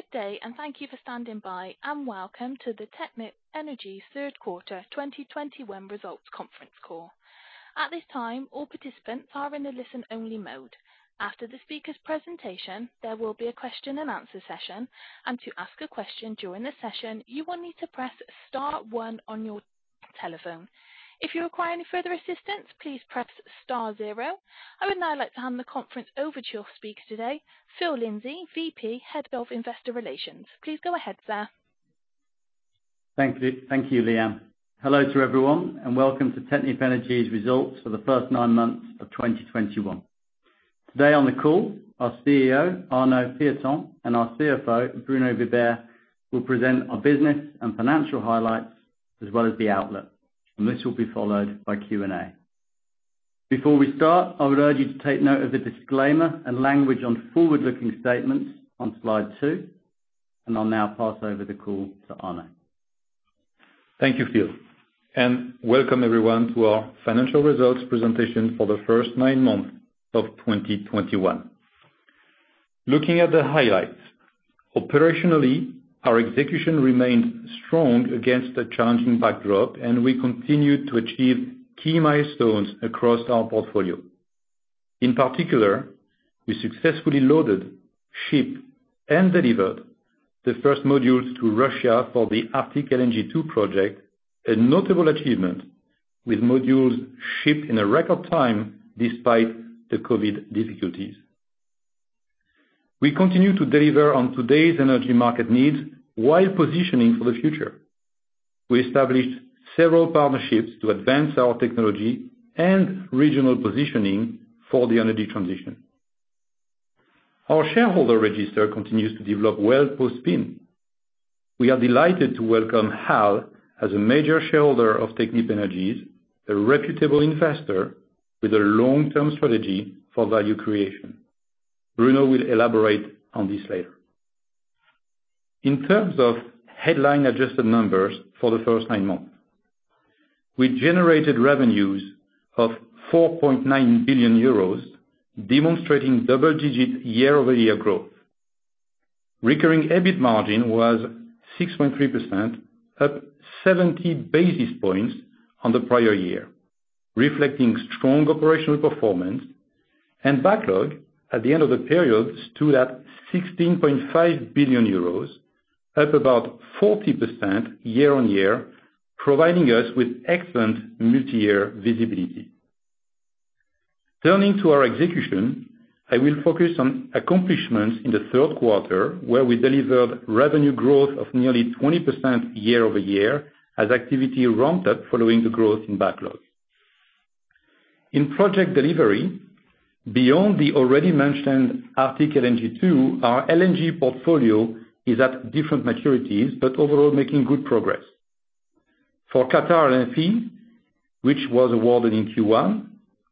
Good day. Thank you for standing by. Welcome to the Technip Energies third quarter 2021 results conference call. At this time, all participants are in a listen-only mode. After the speaker's presentation, there will be a question-and-answer session. To ask a question during the session, you will need to press star one on your telephone. If you require any further assistance, please press star zero. I would now like to hand the conference over to your speaker today, Phillip Lindsay, VP, Head of Investor Relations. Please go ahead, sir. Thank you, Leanne. Hello to everyone, welcome to Technip Energies' results for the first nine months of 2021. Today on the call, our CEO, Arnaud Piéton, and our CFO, Bruno Vibert, will present our business and financial highlights as well as the outlook. This will be followed by Q&A. Before we start, I would urge you to take note of the disclaimer and language on forward-looking statements on slide two. I'll now pass over the call to Arnaud. Thank you, Phil, and welcome everyone to our financial results presentation for the first nine months of 2021. Looking at the highlights, operationally, our execution remained strong against a challenging backdrop. We continued to achieve key milestones across our portfolio. In particular, we successfully loaded, shipped, and delivered the first modules to Russia for the Arctic LNG 2 project, a notable achievement with modules shipped in a record time despite the COVID difficulties. We continue to deliver on today's energy market needs while positioning for the future. We established several partnerships to advance our technology and regional positioning for the energy transition. Our shareholder register continues to develop well post-spin. We are delighted to welcome HAL as a major shareholder of Technip Energies, a reputable investor with a long-term strategy for value creation. Bruno will elaborate on this later. In terms of headline adjusted numbers for the first nine months, we generated revenues of 4.9 billion euros, demonstrating double-digit year-over-year growth. Recurring EBIT margin was 6.3%, up 70 basis points on the prior year, reflecting strong operational performance. Backlog at the end of the period stood at 16.5 billion euros, up about 40% year-on-year, providing us with excellent multiyear visibility. Turning to our execution, I will focus on accomplishments in the third quarter, where we delivered revenue growth of nearly 20% year-over-year as activity ramped up following the growth in backlog. In project delivery, beyond the already mentioned Arctic LNG 2, our LNG portfolio is at different maturities, but overall, making good progress. For Qatar LNG, which was awarded in Q1,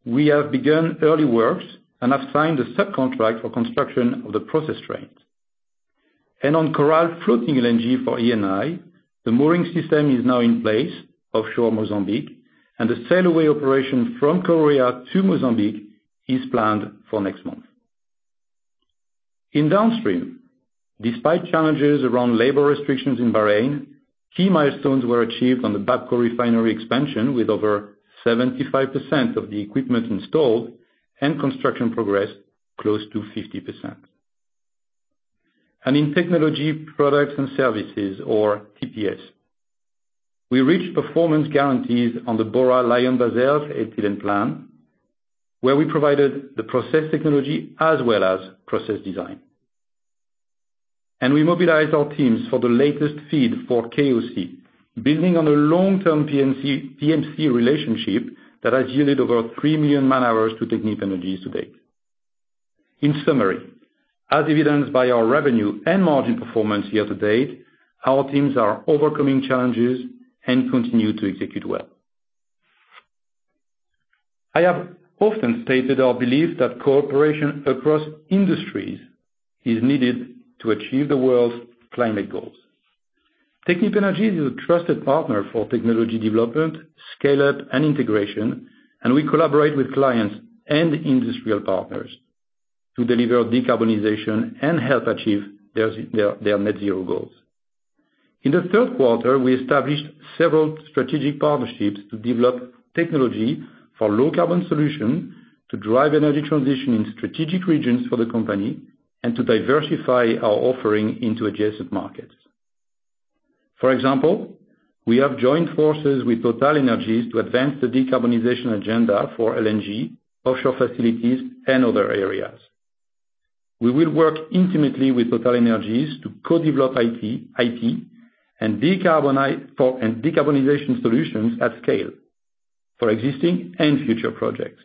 we have begun early works and have signed a subcontract for the construction of the process trains. On Coral Sul FLNG for Eni, the mooring system is now in place offshore Mozambique, and the sail-away operation from Korea to Mozambique is planned for next month. In the downstream, despite challenges around labor restrictions in Bahrain, key milestones were achieved on the Bapco refinery expansion, with over 75% of the equipment installed and construction progress close to 50%. In technology, products, and services, or TPS, we reached performance guarantees on the Bora LyondellBasell ethylene plant, where we provided the process technology as well as process design. We mobilized our teams for the latest FEED for KOC, building on a long-term PMC relationship that has yielded over 3 million man-hours to Technip Energies to date. In summary, as evidenced by our revenue and margin performance year to date, our teams are overcoming challenges and continue to execute well. I have often stated our belief that cooperation across industries is needed to achieve the world's climate goals. Technip Energies is a trusted partner for technology development, scale-up, and integration, and we collaborate with clients and industrial partners to deliver decarbonization and help achieve their net-zero goals. In the third quarter, we established several strategic partnerships to develop technology for low-carbon solutions to drive energy transition in strategic regions for the company and to diversify our offering into adjacent markets. For example, we have joined forces with TotalEnergies to advance the decarbonization agenda for LNG, offshore facilities, and other areas. We will work intimately with TotalEnergies to co-develop IP and decarbonization solutions at scale for existing and future projects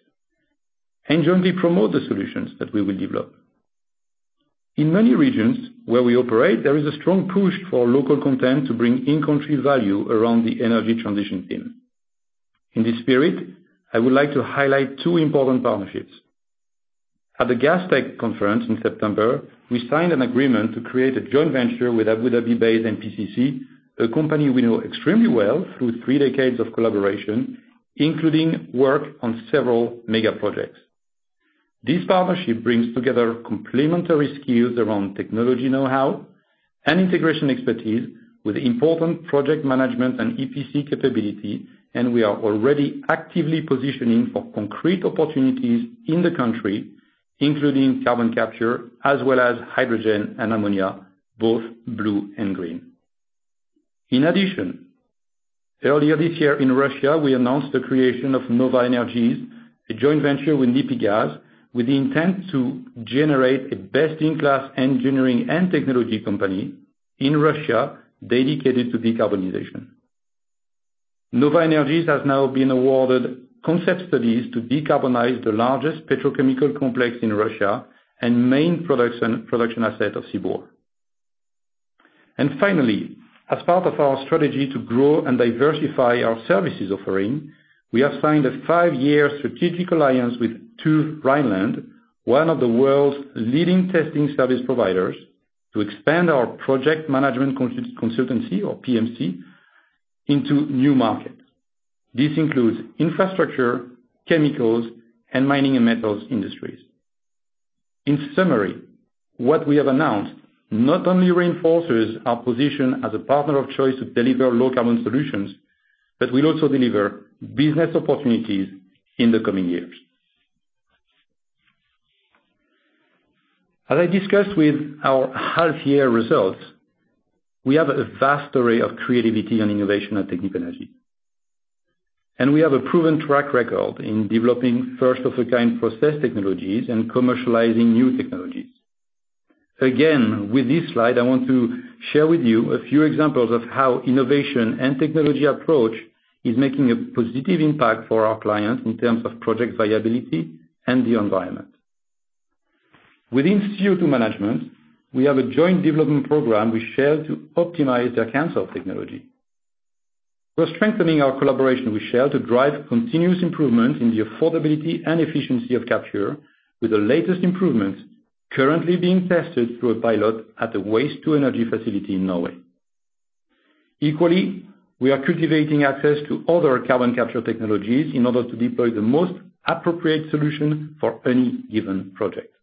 and jointly promote the solutions that we will develop. In many regions where we operate, there is a strong push for local content to bring in-country value around the energy transition theme. In this spirit, I would like to highlight two important partnerships. At the Gastech conference in September, we signed an agreement to create a joint venture with Abu Dhabi-based NPCC, a company we know extremely well through three decades of collaboration, including work on several mega projects. This partnership brings together complementary skills around technology know-how and integration expertise with important project management and EPC capability, and we are already actively positioning for concrete opportunities in the country, including carbon capture as well as hydrogen and ammonia, both blue and green. In addition, earlier this year in Russia, we announced the creation of Nova Energies, a joint venture with NIPIGAS, with the intent to generate a best-in-class engineering and technology company in Russia dedicated to decarbonization. Nova Energies has now been awarded concept studies to decarbonize the largest petrochemical complex in Russia and the main production asset of SIBUR. Finally, as part of our strategy to grow and diversify our service offerings, we have signed a five-year strategic alliance with TÜV Rheinland, one of the world's leading testing service providers, to expand our project management consultancy, or PMC, into new markets. This includes infrastructure, chemicals, and the mining and metals industries. In summary, what we have announced not only reinforces our position as a partner of choice to deliver low-carbon solutions but will also deliver business opportunities in the coming years. As I discussed with our half-year results, we have a vast array of creativity and innovation at Technip Energies, and we have a proven track record in developing first-of-a-kind process technologies and commercializing new technologies. Again, with this slide, I want to share with you a few examples of how innovation and technology approach is making a positive impact for our clients in terms of project viability and the environment. Within CO2 management, we have a joint development program with Shell to optimize their CANSOLV technology. We're strengthening our collaboration with Shell to drive continuous improvement in the affordability and efficiency of capture with the latest improvements currently being tested through a pilot at a waste-to-energy facility in Norway. Equally, we are cultivating access to other carbon capture technologies in order to deploy the most appropriate solution for any given project.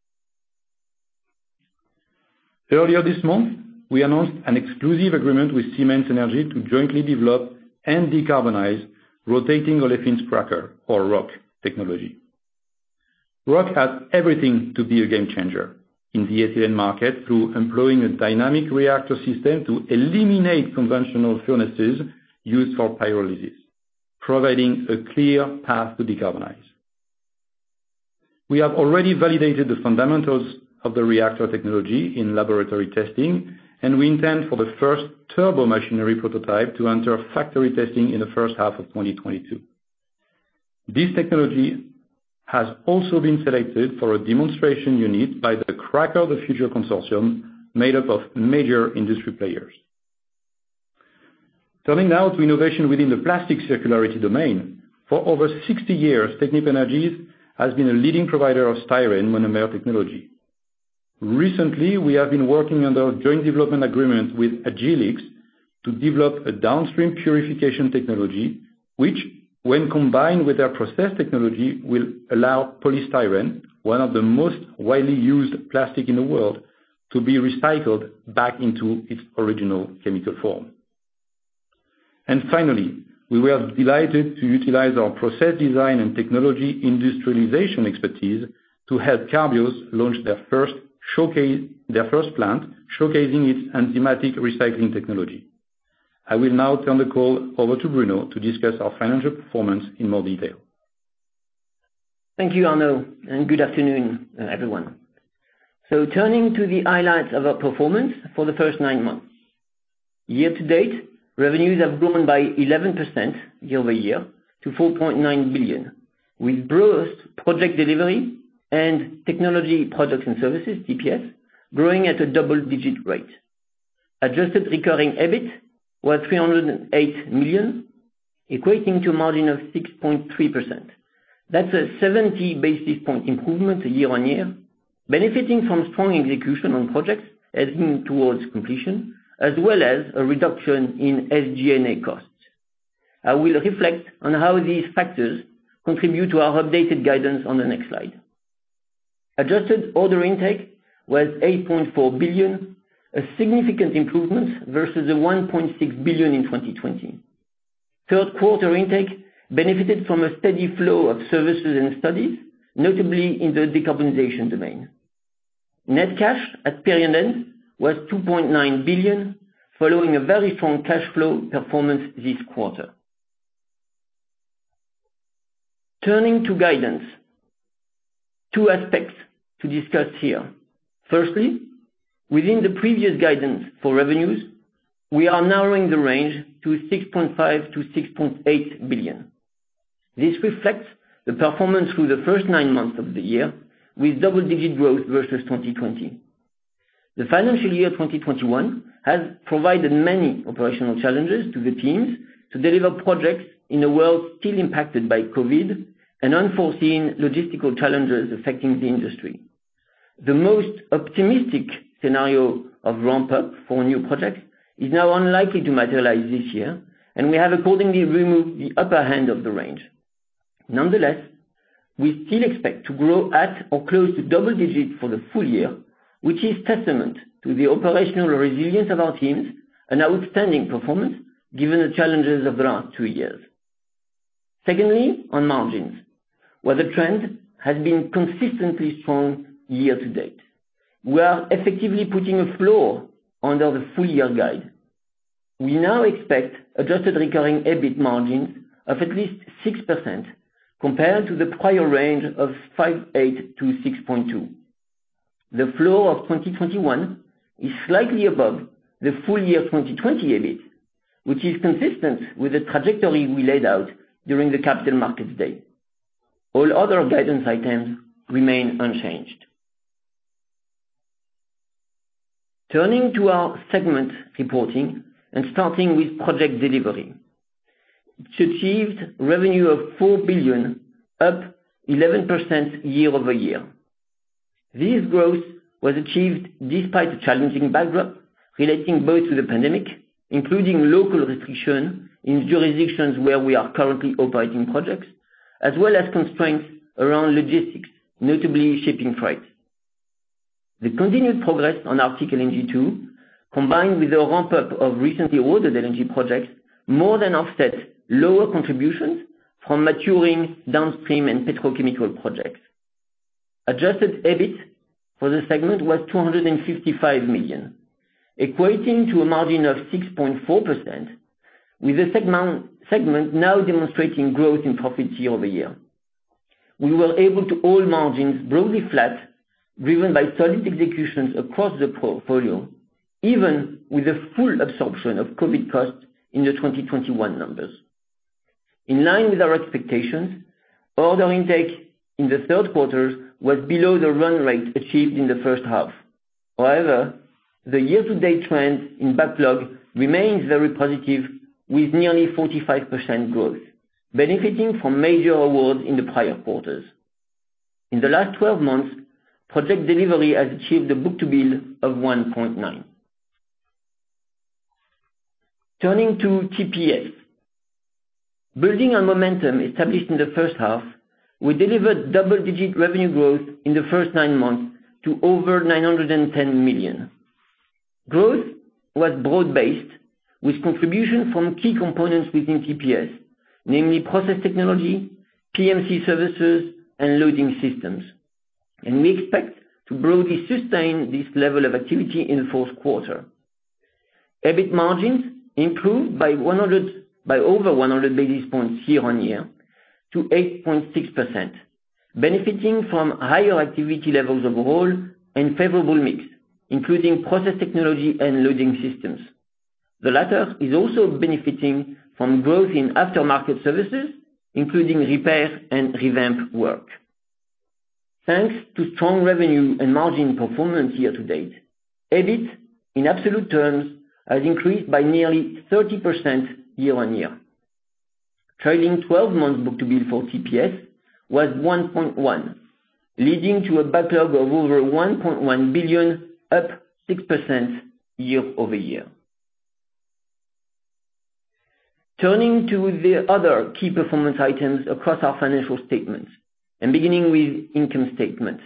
Earlier this month, we announced an exclusive agreement with Siemens Energy to jointly develop and decarbonize the Rotating Olefins Cracker, or ROC technology. ROC has everything to be a game changer in the ethylene market through employing a dynamic reactor system to eliminate conventional furnaces used for pyrolysis, providing a clear path to decarbonize. We have already validated the fundamentals of the reactor technology in laboratory testing, and we intend for the first turbomachinery prototype to enter factory testing in the first half of 2022. This technology has also been selected for a demonstration unit by the Cracker of the Future Consortium, made up of major industry players. Turning now to innovation within the plastic circularity domain. For over 60 years, Technip Energies has been a leading provider of styrene monomer technology. Recently, we have been working under a joint development agreement with Agilyx to develop a downstream purification technology, which, when combined with their process technology, will allow polystyrene, one of the most widely used plastics in the world, to be recycled back into its original chemical form. Finally, we were delighted to utilize our process design and technology industrialization expertise to help Carbios launch its first plant, showcasing its enzymatic recycling technology. I will now turn the call over to Bruno to discuss our financial performance in more detail. Thank you, Arnaud, and good afternoon, everyone. Turning to the highlights of our performance for the first nine months. Year-to-date, revenues have grown by 11% year-over-year to 4.9 billion, with gross project delivery and technology products and services, TPS, growing at a double-digit rate. Adjusted recurring EBIT was 308 million, equating to a margin of 6.3%. That's a 70 basis point improvement year-on-year, benefiting from strong execution on projects heading towards completion, as well as a reduction in SG&A costs. I will reflect on how these factors contribute to our updated guidance on the next slide. Adjusted order intake was 8.4 billion, a significant improvement versus the 1.6 billion in 2020. Third quarter intake benefited from a steady flow of services and studies, notably in the decarbonization domain. Net cash at period end was 2.9 billion, following a very strong cash flow performance this quarter. Turning to guidance. Two aspects to discuss here. Firstly, within the previous guidance for revenues, we are narrowing the range to 6.5 billion-6.8 billion. This reflects the performance through the first nine months of the year with double-digit growth versus 2020. The financial year 2021 has provided many operational challenges to the teams to deliver projects in a world still impacted by COVID and unforeseen logistical challenges affecting the industry. The most optimistic scenario of ramp-up for new projects is now unlikely to materialize this year, and we have accordingly removed the upper end of the range. Nonetheless, we still expect to grow at or close to double digits for the full year, which is a testament to the operational resilience of our teams and outstanding performance given the challenges of the last two years. Secondly, on margins, where the trend has been consistently strong year-to-date. We are effectively putting a floor under the full-year guide. We now expect adjusted recurring EBIT margins of at least 6% compared to the prior range of 5.8%-6.2%. The flow of 2021 is slightly above the full year 2020 EBIT, which is consistent with the trajectory we laid out during the Capital Markets Day. All other guidance items remain unchanged. Turning to our segment reporting and starting with project delivery. It achieved revenue of 4 billion, up 11% year-over-year. This growth was achieved despite a challenging backdrop relating both to the pandemic, including local restrictions in jurisdictions where we are currently operating projects, as well as constraints around logistics, notably shipping freight. The continued progress on Arctic LNG 2, combined with the ramp-up of recently ordered LNG projects, more than offset lower contributions from maturing downstream and petrochemical projects. Adjusted EBIT for the segment was 255 million, equating to a margin of 6.4%, with the segment now demonstrating growth in profit year-over-year. We were able to hold margins broadly flat, driven by solid executions across the portfolio, even with the full absorption of COVID costs in the 2021 numbers. In line with our expectations, order intake in the third quarter was below the run rate achieved in the first half. However, the year-to-date trend in backlog remains very positive with nearly 45% growth, benefiting from major awards in the prior quarters. In the last 12 months, project delivery has achieved a book-to-bill of 1.9. Turning to TPS. Building on momentum established in the first half, we delivered double-digit revenue growth in the first nine months to over 910 million. Growth was broad-based with contributions from key components within TPS, namely process technology, PMC services, and loading systems. We expect to broadly sustain this level of activity in the fourth quarter. EBIT margins improved by over 100 basis points year-on-year to 8.6%, benefiting from higher activity levels overall and a favorable mix, including process technology and loading systems. The latter is also benefiting from growth in aftermarket services, including repair and revamp work. Thanks to strong revenue and margin performance year-to-date, EBIT in absolute terms has increased by nearly 30% year-on-year. Trailing 12 months book-to-bill for TPS was 1.1, leading to a backlog of over 1.1 billion, up 6% year-over-year. Turning to the other key performance items across our financial statements, and beginning with the income statement.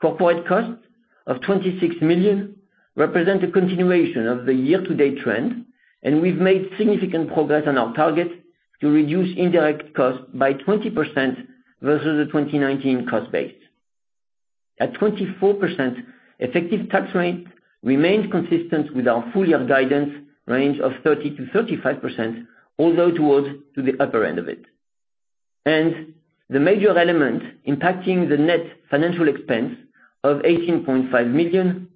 Corporate costs of 26 million represent a continuation of the year-to-date trend, and we've made significant progress on our target to reduce indirect costs by 20% versus the 2019 cost base. At 24%, the effective tax rate remained consistent with our full-year guidance range of 30%-35%, although towards the upper end of it. The major element impacting the net financial expense of 18.5 million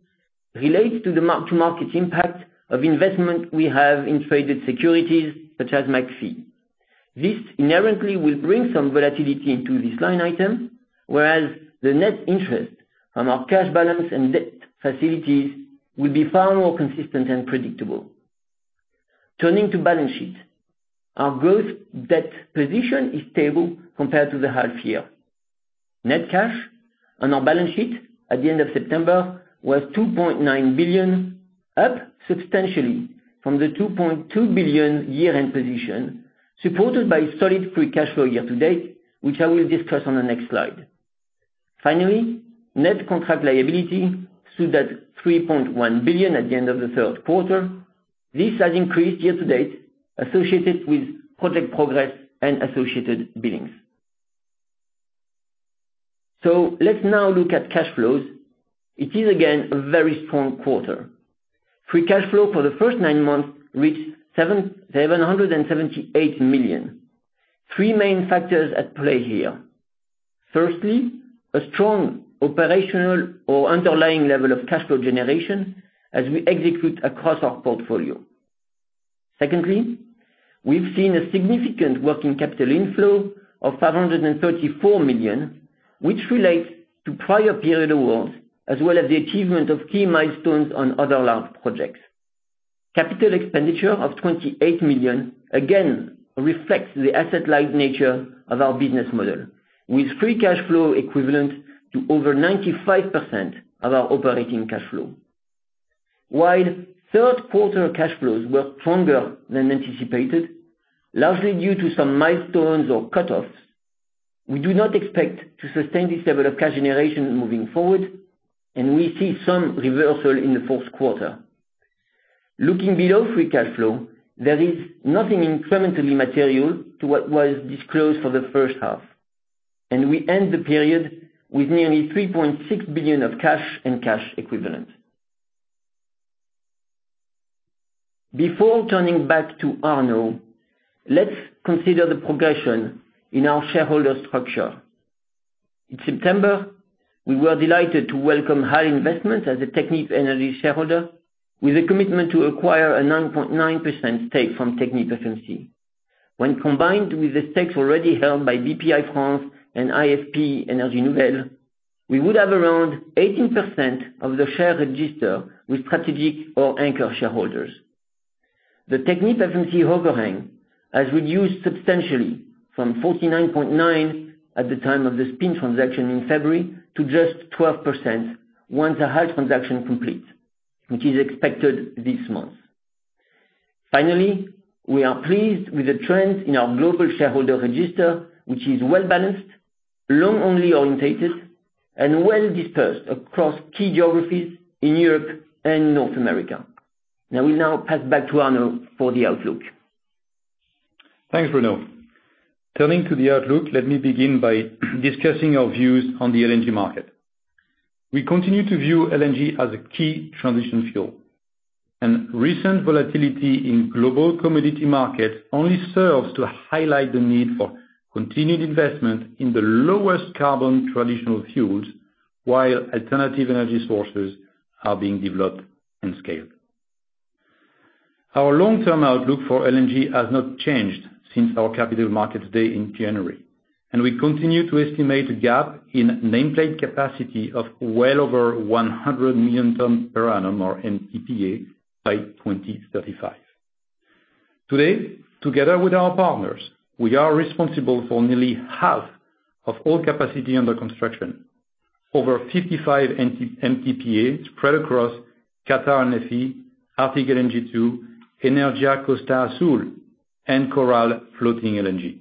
relates to the mark-to-market impact of investments we have in traded securities such as McPhy. This inherently will bring some volatility into this line item, whereas the net interest on our cash balance and debt facilities will be far more consistent and predictable. Turning to the balance sheet. Our growth debt position is stable compared to the first half of the year. Net cash on our balance sheet at the end of September was 2.9 billion, up substantially from the 2.2 billion year-end position, supported by solid free cash flow year-to-date, which I will discuss on the next slide. Finally, net contract liability stood at 3.1 billion at the end of the third quarter. This has increased year-to-date, associated with project progress and associated billings. Let's now look at cash flows. It is again a very strong quarter. Free cash flow for the first nine months reached 778 million. Three main factors at play here. Firstly, a strong operational or underlying level of cash flow generation as we execute across our portfolio. Secondly, we've seen a significant working capital inflow of 534 million, which relates to prior period awards, as well as the achievement of key milestones on other large projects. CapEx of 28 million, again, reflects the asset-light nature of our business model, with free cash flow equivalent to over 95% of our operating cash flow. While third-quarter cash flows were stronger than anticipated, largely due to some milestones or cutoffs, we do not expect to sustain this level of cash generation moving forward, and we see some reversal in the fourth quarter. Looking at the free cash flow below, there is nothing incrementally material to what was disclosed for the first half, and we end the period with nearly 3.6 billion of cash and cash equivalents. Before turning back to Arnaud, let's consider the progression in our shareholder structure. In September, we were delighted to welcome HAL Investments as a Technip Energies shareholder with a commitment to acquire a 9.9% stake from TechnipFMC. When combined with the stakes already held by Bpifrance and IFP Energies nouvelles, we would have around 18% of the share register with strategic or anchor shareholders. The TechnipFMC overhang has reduced substantially from 49.9% at the time of the spin transaction in February to just 12% once the HAL transaction completes, which is expected this month. Finally, we are pleased with the trend in our global shareholder register, which is well-balanced, long only oriented, and well-dispersed across key geographies in Europe and North America. We now pass back to Arnaud for the outlook. Thanks, Bruno. Turning to the outlook, let me begin by discussing our views on the LNG market. We continue to view LNG as a key transition fuel. Recent volatility in global commodity markets only serves to highlight the need for continued investment in the lowest carbon traditional fuels while alternative energy sources are being developed and scaled. Our long-term outlook for LNG has not changed since our Capital Markets Day in January, and we continue to estimate a gap in nameplate capacity of well over 100 million tonnes per annum or MTPA by 2035. Today, together with our partners, we are responsible for nearly half of all capacity under construction. Over 55 MTPA spread across Qatar and NFE, Arctic LNG 2, Energía Costa Azul, and Coral Sul FLNG.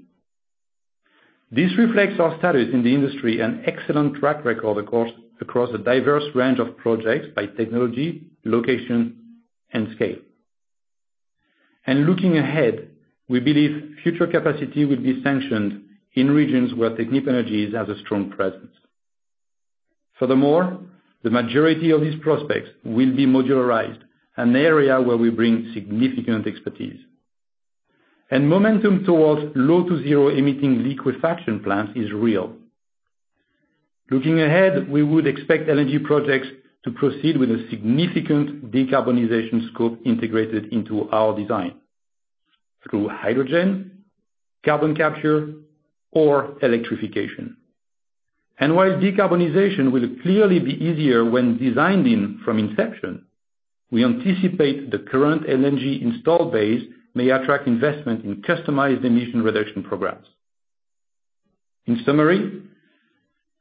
This reflects our status in the industry and excellent track record across a diverse range of projects by technology, location, and scale. Looking ahead, we believe future capacity will be sanctioned in regions where Technip Energies has a strong presence. Furthermore, the majority of these prospects will be modularized, an area where we bring significant expertise. Momentum towards low to zero-emitting liquefaction plants is real. Looking ahead, we would expect LNG projects to proceed with a significant decarbonization scope integrated into our design through hydrogen, carbon capture, or electrification. While decarbonization will clearly be easier when designed in from inception, we anticipate the current LNG installed base may attract investment in customized emission reduction programs. In summary,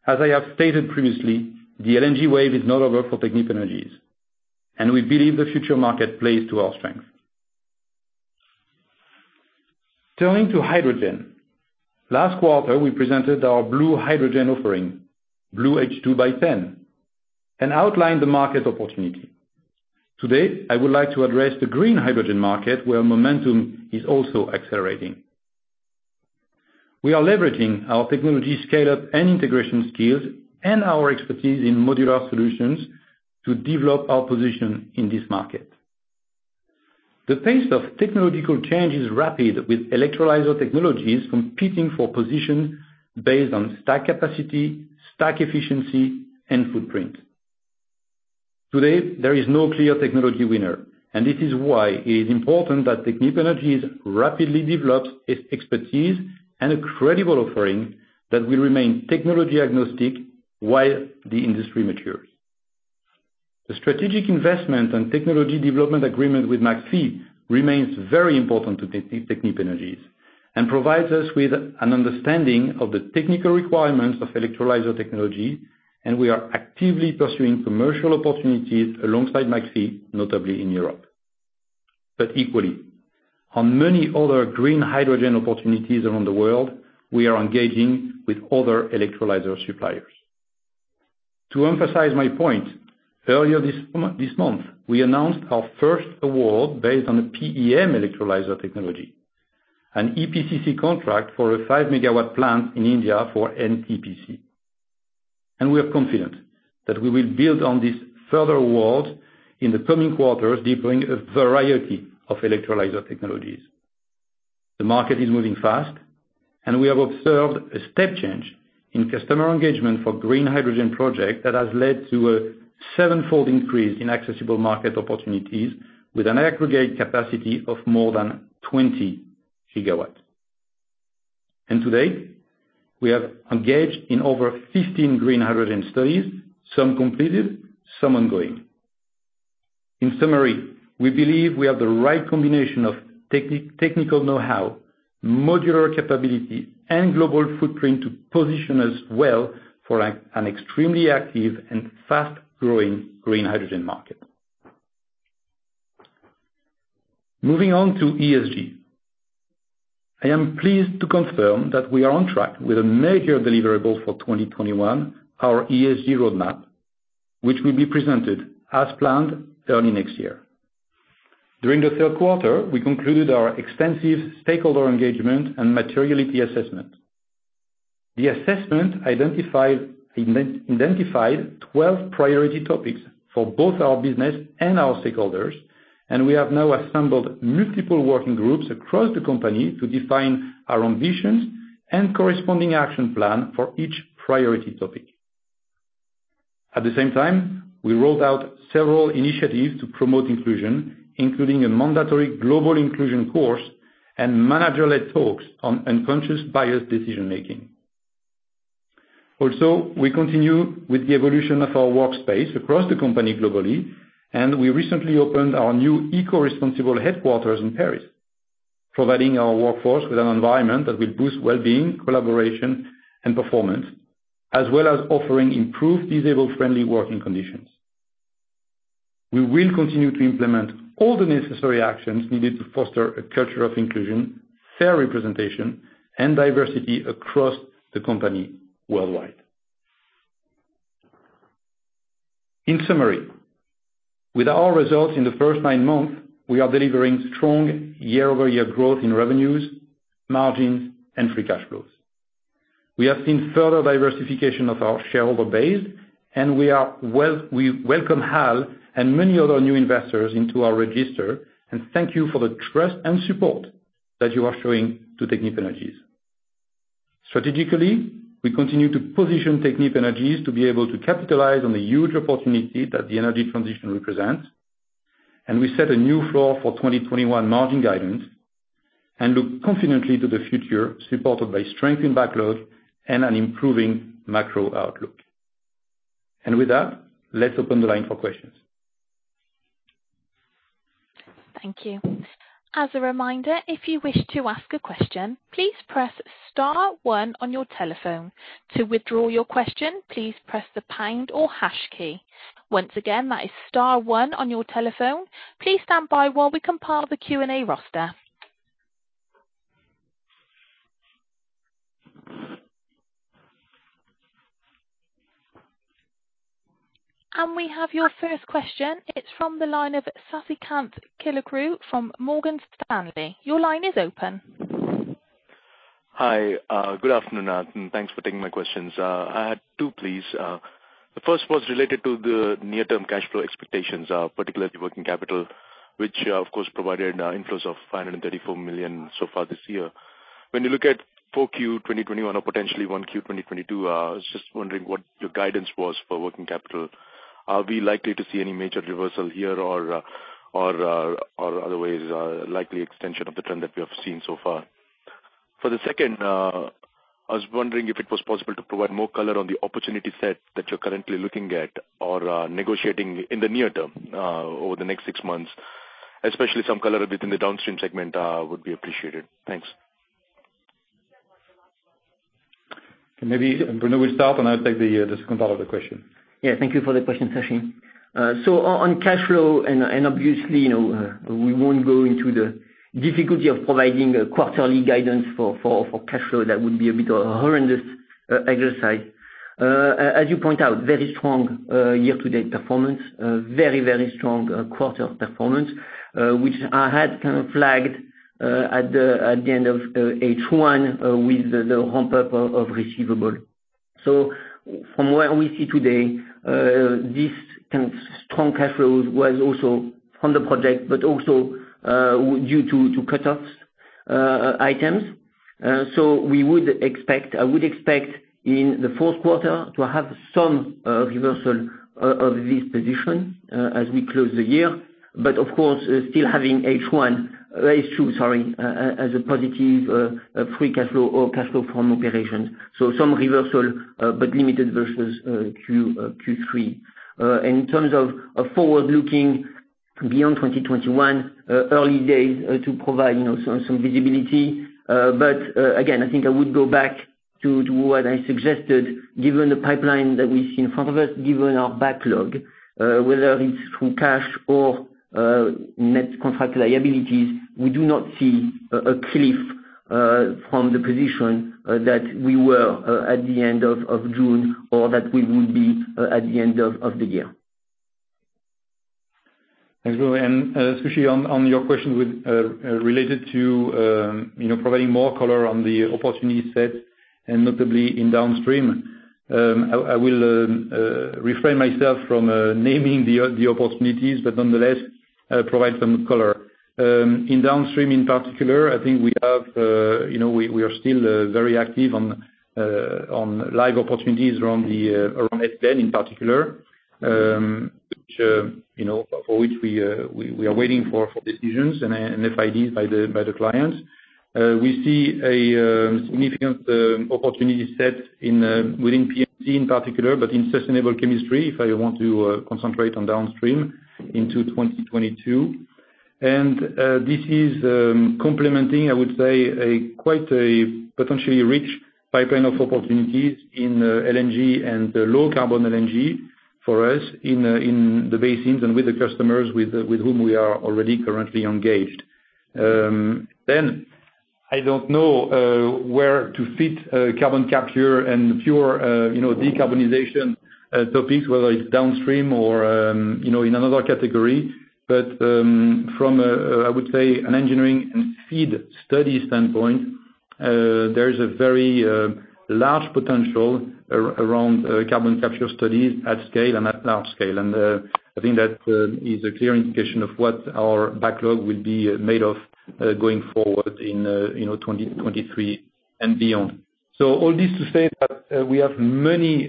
as I have stated previously, the LNG wave is not over for Technip Energies, and we believe the future market plays to our strength. Turning to hydrogen. Last quarter, we presented our blue hydrogen offering, Blue H2 by T.EN, and outlined the market opportunity. Today, I would like to address the green hydrogen market, where momentum is also accelerating. We are leveraging our technology scale-up and integration skills and our expertise in modular solutions to develop our position in this market. The pace of technological change is rapid, with electrolyzer technologies competing for position based on stack capacity, stack efficiency, and footprint. Today, there is no one clear technology winner, and this is why it is important that Technip Energies rapidly develops its expertise and a credible offering that will remain technology agnostic while the industry matures. The strategic investment and technology development agreement with McPhy remains very important to Technip Energies and provides us with an understanding of the technical requirements of electrolyzer technology, and we are actively pursuing commercial opportunities alongside McPhy, notably in Europe. Equally, on many other green hydrogen opportunities around the world, we are engaging with other electrolyzer suppliers. To emphasize my point, earlier this month, we announced our first award based on a PEM electrolyzer technology, an EPCC contract for a 5 MW plant in India for NTPC. We are confident that we will build on this further award in the coming quarters, deploying a variety of electrolyzer technologies. The market is moving fast, and we have observed a step change in customer engagement for green hydrogen project that has led to a 7-fold increase in accessible market opportunities with an aggregate capacity of more than 20 GW. Today, we have engaged in over 15 green hydrogen studies, some completed, some ongoing. In summary, we believe we have the right combination of technical know-how, modular capability, and global footprint to position us well for an extremely active and fast-growing green hydrogen market. Moving on to ESG. I am pleased to confirm that we are on track with a major deliverable for 2021, our ESG roadmap, which will be presented as planned early next year. During the third quarter, we concluded our extensive stakeholder engagement and materiality assessment. The assessment identified 12 priority topics for both our business and our stakeholders, and we have now assembled multiple working groups across the company to define our ambitions and corresponding action plan for each priority topic. At the same time, we rolled out several initiatives to promote inclusion, including a mandatory global inclusion course and manager-led talks on unconscious bias decision-making. We continue with the evolution of our workspace across the company globally. We recently opened our new eco-responsible headquarters in Paris, providing our workforce with an environment that will boost well-being, collaboration, and performance, as well as offering improved disabled-friendly working conditions. We will continue to implement all the necessary actions needed to foster a culture of inclusion, fair representation, and diversity across the company worldwide. In summary, with our results in the first nine months, we are delivering strong year-over-year growth in revenues, margins, and free cash flows. We have seen further diversification of our shareholder base. We welcome HAL Investments and many other new investors into our register. Thank you for the trust and support that you are showing to Technip Energies. Strategically, we continue to position Technip Energies to be able to capitalize on the huge opportunity that the energy transition represents. We set a new floor for 2021 margin guidance and look confidently to the future, supported by strengthened backlogs and an improving macro outlook. With that, let's open the line for questions. Thank you. As a reminder, if you wish to ask a question, please press star one on your telephone. To withdraw your question, please press the pound or hash key. Once again, that is star one on your telephone. Please stand by while we compile the Q&A roster. We have your first question. It's from the line of Sasikanth Chilukuru from Morgan Stanley. Your line is open. Hi. Good afternoon. Thanks for taking my questions. I had two, please. The first was related to the near-term cash flow expectations, particularly working capital, which, of course, provided inflows of 534 million so far this year. When you look at 4Q 2021 or potentially 1Q 2022, I was just wondering what your guidance was for working capital. Are we likely to see any major reversal here or otherwise, likely extension of the trend that we have seen so far? For the second, I was wondering if it was possible to provide more color on the opportunity set that you're currently looking at or negotiating in the near term, over the next six months, especially some color within the downstream segment, which would be appreciated. Thanks. Maybe Bruno will start, and I'll take the second part of the question. Yeah, thank you for the question, Sasikanth. On cash flow, and obviously, we won't go into the difficulty of providing quarterly guidance for cash flow. That would be a bit of a horrendous exercise. As you point out, very strong year-to-date performance, very strong quarter performance, which I had flagged at the end of H1 with the ramp-up of receivables. From what we see today, this kind of strong cash flow was also from the project, but also due to cut-off items. I would expect in the fourth quarter to have some reversal of this position as we close the year. Of course, still having H2, sorry, as a positive free cash flow or cash flow from operations. Some reversal, but limited versus Q3. In terms of forward-looking beyond 2021, the early days provide some visibility. Again, I think I would go back to what I suggested, given the pipeline that we see in front of us, given our backlog, whether it's through cash or net contract liabilities, we do not see a cliff from the position that we were at the end of June or that we would be at the end of the year. Thanks, Bruno. Sasikanth, on your question related to providing more color on the opportunity set and notably in the downstream, I will refrain myself from naming the opportunities, but nonetheless provide some color. In downstream in particular, I think we are still very active on live opportunities around Spain in particular, for which we are waiting for decisions and FIDs by the clients. We see a significant opportunity set within PMC in particular, but in sustainable chemistry, if I want to concentrate on downstream into 2022. This is complementing, I would say, quite a potentially rich pipeline of opportunities in LNG and low-carbon LNG for us in the basins and with the customers with whom we are already currently engaged. I don't know where to fit carbon capture and pure decarbonization topics, whether it's downstream or in another category. From, I would say, an engineering and FEED study standpoint, there is a very large potential around carbon capture studies at scale and at large scale. I think that is a clear indication of what our backlog will be made of going forward in 2023 and beyond. All this to say that we have many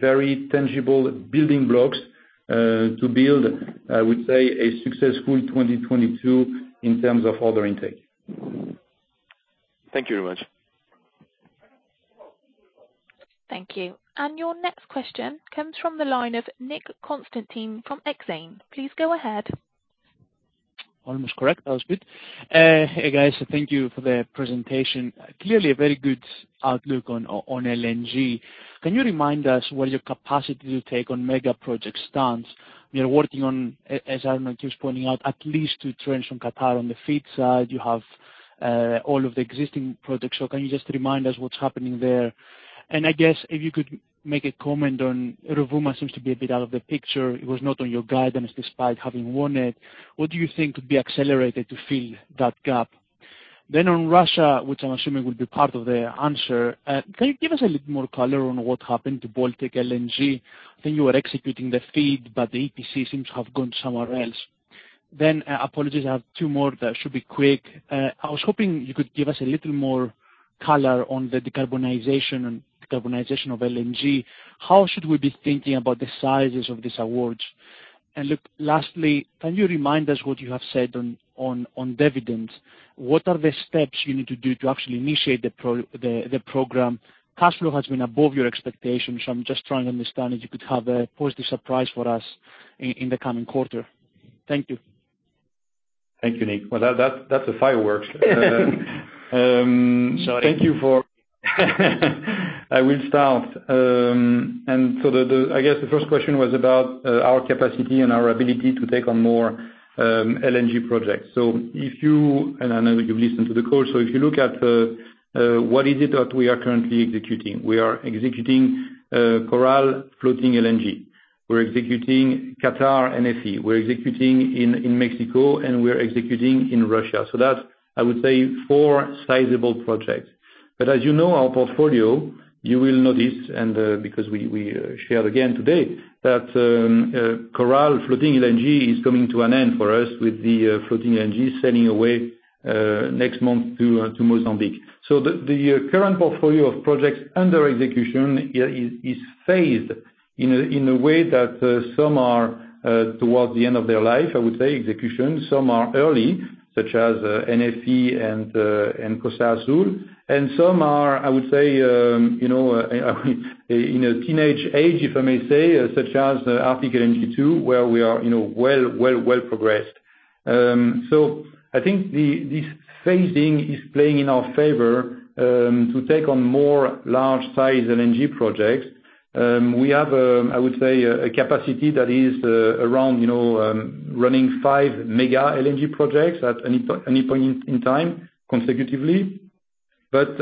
very tangible building blocks to build, I would say, a successful 2022 in terms of order intake. Thank you very much. Thank you. Your next question comes from the line of Nick Konstantakis from Exane. Please go ahead. Almost correct. That was good. Hey, guys. Thank you for the presentation. Clearly, a very good outlook on LNG. Can you remind us where your capacity to take on a mega project stands? You're working on, as Arnaud just pointed out, at least two trains from Qatar on the FEED side. You have all of the existing projects. Can you just remind us what's happening there? I guess if you could make a comment on, Rovuma seems to be a bit out of the picture. It was not on your guidance despite having won it. What do you think could be accelerated to fill that gap? On Russia, which I'm assuming will be part of the answer, can you give us a little more color on what happened to Baltic LNG? I think you were executing the FEED, but the EPC seems to have gone somewhere else. Apologies, I have two more that should be quick. I was hoping you could give us a little more color on the decarbonization of LNG. How should we be thinking about the sizes of these awards? Look, lastly, can you remind us what you have said on dividends? What are the steps you need to take to actually initiate the program? Cash flow has been above your expectations. I'm just trying to understand if you could have a positive surprise for us in the coming quarter. Thank you. Thank you, Nick. Well, that is the fireworks. Sorry. I will start. I guess the first question was about our capacity and our ability to take on more LNG projects. I know that you've listened to the call. If you look at what it is that we are currently executing. We are executing Coral floating LNG. We're executing Qatar NFE. We're executing in Mexico, and we're executing in Russia. That's, I would say, four sizable projects. As you know, our portfolio, you will notice, because we shared again today that Coral floating LNG is coming to an end for us with the floating LNG sailing away next month to Mozambique. The current portfolio of projects under execution is phased in a way that some are towards the end of their life, I would say, in execution. Some are early, such as NFE and Costa Azul, and some are, I would say, in a teenage age, if I may say, such as Arctic LNG 2, where we are well progressed. I think this phasing is playing in our favor to take on more large-scale LNG projects. We have, I would say, a capacity that is around running five mega LNG projects at any point in time consecutively. First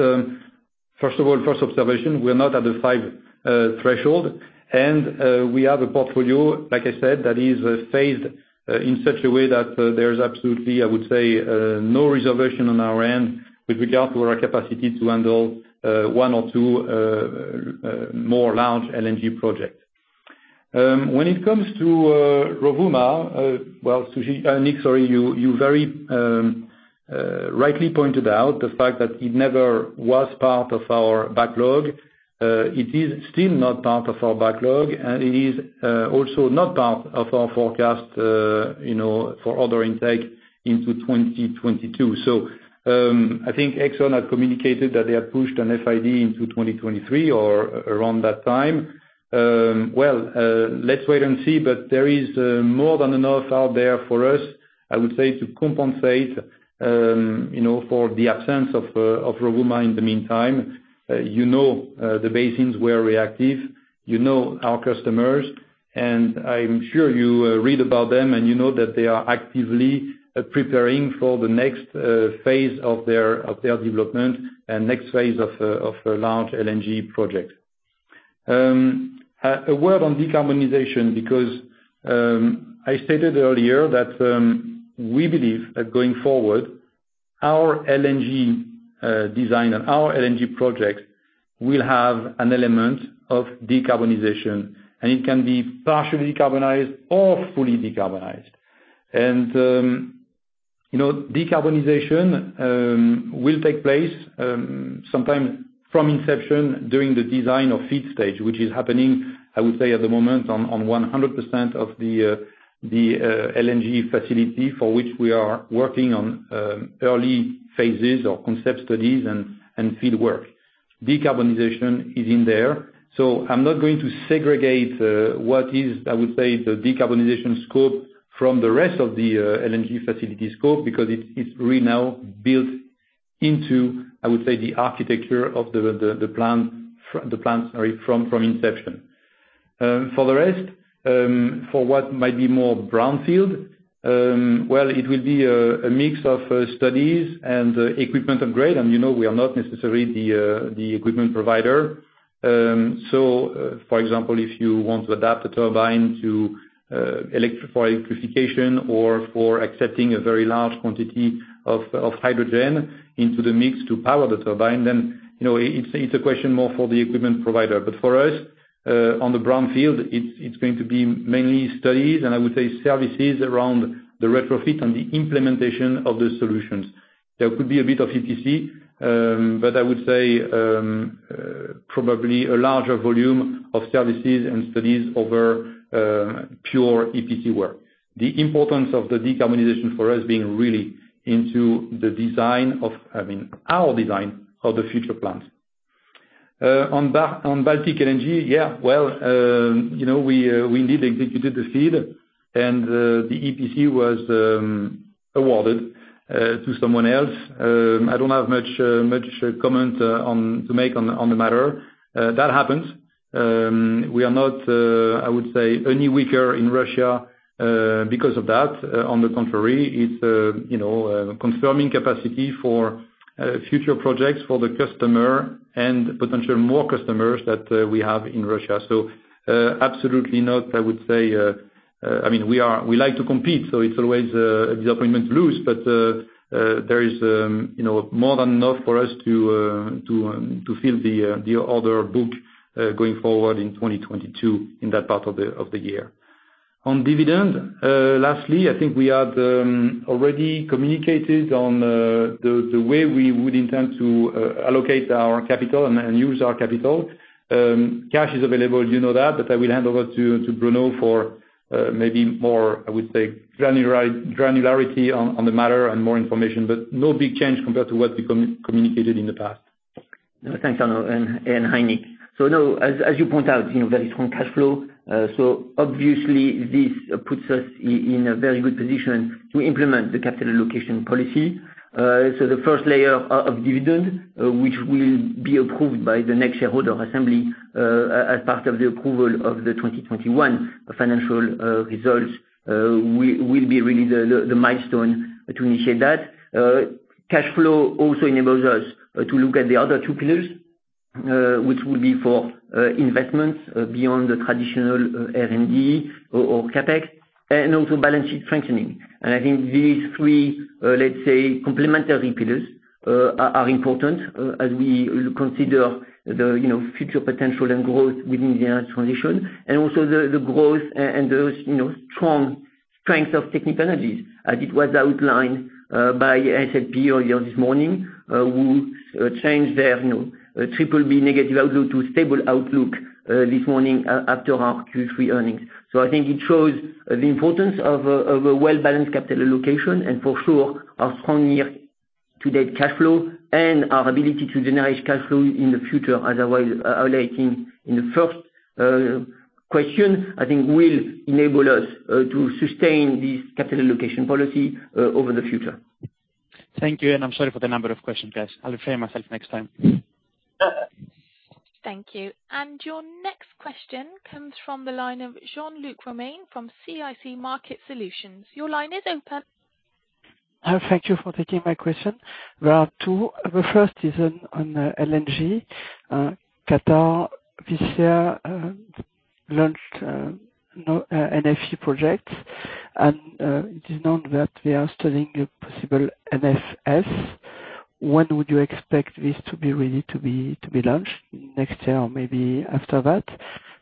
of all, first observation, we are not at the five threshold, and we have a portfolio, as I said, that is phased in such a way that there is absolutely, I would say, no reservation on our end with regard to our capacity to handle one or two more large LNG projects. When it comes to Rovuma, Nick, you very rightly pointed out the fact that it was never part of our backlog. It is still not part of our backlog, and it is also not part of our forecast for order intake into 2022. I think ExxonMobil had communicated that they have pushed an FID into 2023 or around that time. Well, let's wait and see, but there is more than enough out there for us, I would say, to compensate for the absence of Rovuma in the meantime. You know the basins where we are active. You know our customers, and I'm sure you read about them, and you know that they are actively preparing for the next phase of their development and the next phase of a large LNG project. A word on decarbonization, because I stated earlier that we believe that going forward, our LNG design and our LNG project will have an element of decarbonization, and it can be partially decarbonized or fully decarbonized. Decarbonization will take place sometime from inception during the design of the FEED stage, which is happening, I would say, at the moment on 100% of the LNG facility for which we are working on early phases or concept studies and FEED work. Decarbonization is in there. I'm not going to segregate what is, I would say, the decarbonization scope from the rest of the LNG facility scope because it's really now built into, I would say, the architecture of the plant from inception. For the rest, for what might be more brownfield, well, it will be a mix of studies and equipment upgrades. We are not necessarily the equipment provider. For example, if you want to adapt a turbine for electrification or for accepting a very large quantity of hydrogen into the mix to power the turbine, then it's a question more for the equipment provider. For us, on the brownfield, it's going to be mainly studies and, I would say, services around the retrofit and the implementation of the solutions. There could be a bit of EPC, but I would say probably a larger volume of services and studies over pure EPC work. The importance of decarbonization for us being really into our design of the future plant. On Baltic LNG, yeah. Well, we indeed executed the FEED, and the EPC was awarded to someone else. I don't have much to comment on the matter. That happens. We are not, I would say, any weaker in Russia because of that. On the contrary, it's confirming our capacity for future projects for the customer and potentially more customers that we have in Russia. Absolutely not, I would say. We like to compete, so it's always a disappointment lose. There is more than enough for us to fill the order book going forward in 2022 in that part of the year. On dividends, lastly, I think we have already communicated on the way we would intend to allocate our capital and use our capital. Cash is available, you know that, but I will hand over to Bruno for maybe more, I would say, granularity on the matter and more information. No big change compared to what we communicated in the past. Thanks, Arnaud, and hi, Nick. Now, as you point out, very strong cash flow. Obviously, this puts us in a very good position to implement the capital allocation policy. The first layer of dividend, which will be approved by the next shareholder assembly as part of the approval of the 2021 financial results, will be the milestone to initiate that. Cash flow also enables us to look at the other two pillars, which will be for investments beyond the traditional R&D or CapEx, and also balance sheet strengthening. I think these three, let's say, complementary pillars are important as we consider the future potential and growth within the energy transition, and also the growth and the strength of Technip Energies, as it was outlined by S&P earlier this morning, who changed their BBB negative outlook to a stable outlook this morning after our Q3 earnings. I think it shows the importance of a well-balanced capital allocation, and for sure, our strong year-to-date cash flow and our ability to generate cash flow in the future, as I was outlining in the first question, I think will enable us to sustain this capital allocation policy over the future. Thank you. I'm sorry for the number of questions, guys. I'll refrain myself next time. Thank you. Your next question comes from the line of Jean-Luc Romain from CIC Market Solutions. Your line is open. Thank you for taking my question. There are two. The first is on LNG. Qatar this year launched an NFE project, and it is known that they are studying a possible NFS. When would you expect this to be ready to be launched? Next year or maybe after that?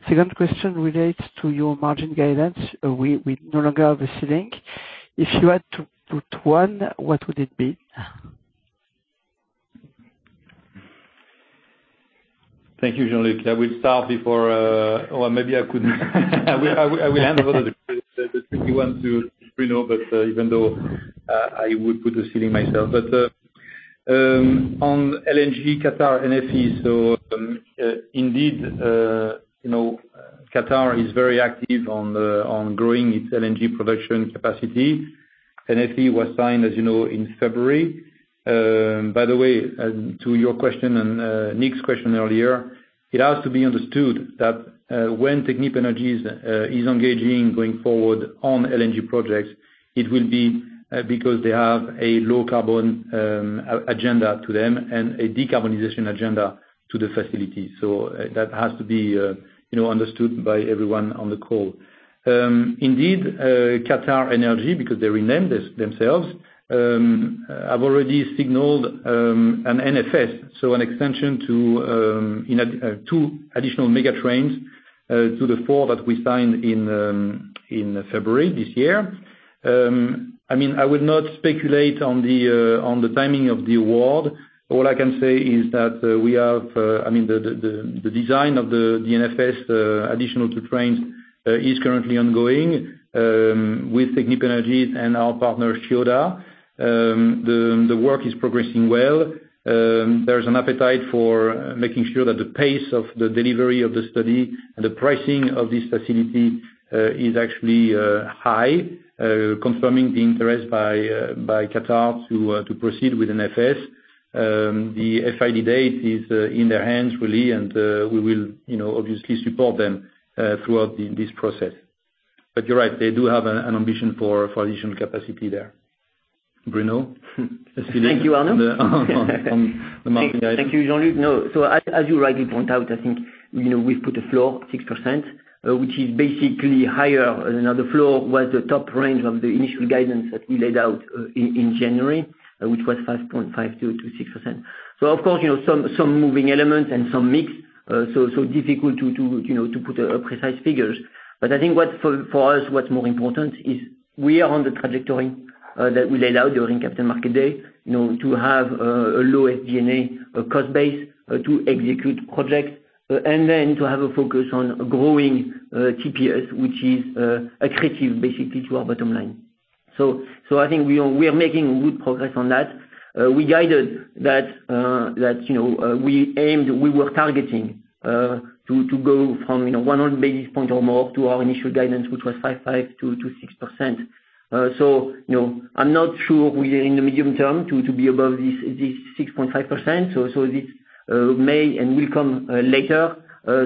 Second question relates to your margin guidance. We no longer have a ceiling. If you had to put one, what would it be? Thank you, Jean-Luc. Maybe I will hand over the tricky one to Bruno, even though I would put a ceiling myself. On LNG Qatar NFE, indeed Qatar is very active on growing its LNG production capacity. NFE was signed, as you know, in February. By the way, to your question and Nick's question earlier, it has to be understood that when Technip Energies is engaging going forward on LNG projects, it will be because they have a low carbon agenda to them and a decarbonization agenda to the facility. That has to be understood by everyone on the call. Indeed, QatarEnergy, because they renamed themselves, have already signaled an NFS, an extension to two additional mega trains to the that we signed in February this year. I will not speculate on the timing of the award. All I can say is that the design of the NFS's additional two trains is currently ongoing with Technip Energies and our partner Chiyoda. The work is progressing well. There's an appetite for making sure that the pace of the delivery of the study and the pricing of this facility is actually high, confirming the interest by Qatar to proceed with NFS. The FID date is in their hands, really, and we will obviously support them throughout this process. You're right, they do have an ambition for additional capacity there. Bruno, Celine- Thank you, Arnaud. On the margin guidance. Thank you, Jean-Luc. As you rightly point out, I think we've put a floor of 6%, which is basically higher. The floor was the top range of the initial guidance that we laid out in January, which was 5.5%-6%. Of course, some moving elements and some mix, so difficult to put precise figures. I think for us, what's more important is we are on the trajectory that we laid out during Capital Market Day to have a low SG&A cost base to execute projects, and then to have a focus on growing TPS, which is accretive, basically, to our bottom line. I think we are making good progress on that. We guided that we were targeting to go from 100 basis points or more to our initial guidance, which was 5.5%-6%. I'm not sure we are in the medium term to be above this 6.5%. This may and will come later. That's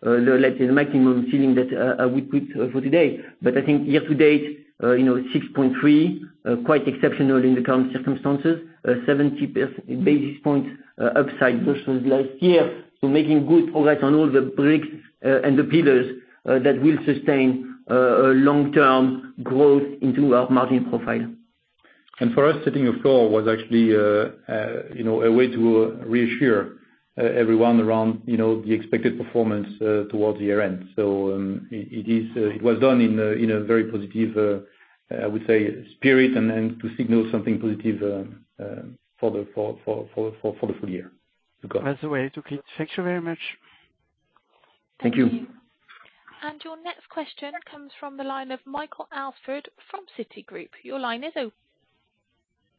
the maximum ceiling that I would put for today. I think year-to-date, 6.3%, is quite exceptional in the current circumstances. 75 basis points upside versus last year. Making good progress on all the bricks and the pillars that will sustain long-term growth into our margin profile. For us, setting a floor was actually a way to reassure everyone around the expected performance towards the year-end. It was done in a very positive, I would say, spirit, and then to signal something positive for the full year to come. That's the way to keep. Thank you very much. Thank you. Your next question comes from the line of Michael Alsford from Citigroup. Your line is open.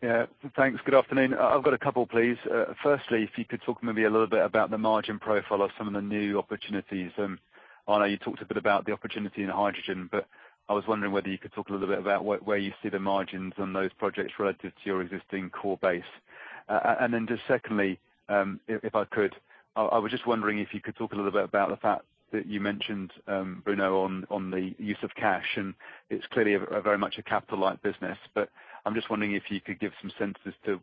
Yeah, thanks. Good afternoon. I've got a couple, please. Firstly, could you talk a little bit about the margin profile of some of the new opportunities? I know you talked a bit about the opportunity in hydrogen, but I was wondering whether you could talk a little bit about where you see the margins on those projects relative to your existing core base. Secondly, if I could, I was just wondering if you could talk a little bit about the fact that you mentioned, Bruno, on the use of cash, and it's clearly a very much capital-like business. I'm just wondering if you could give some sense as to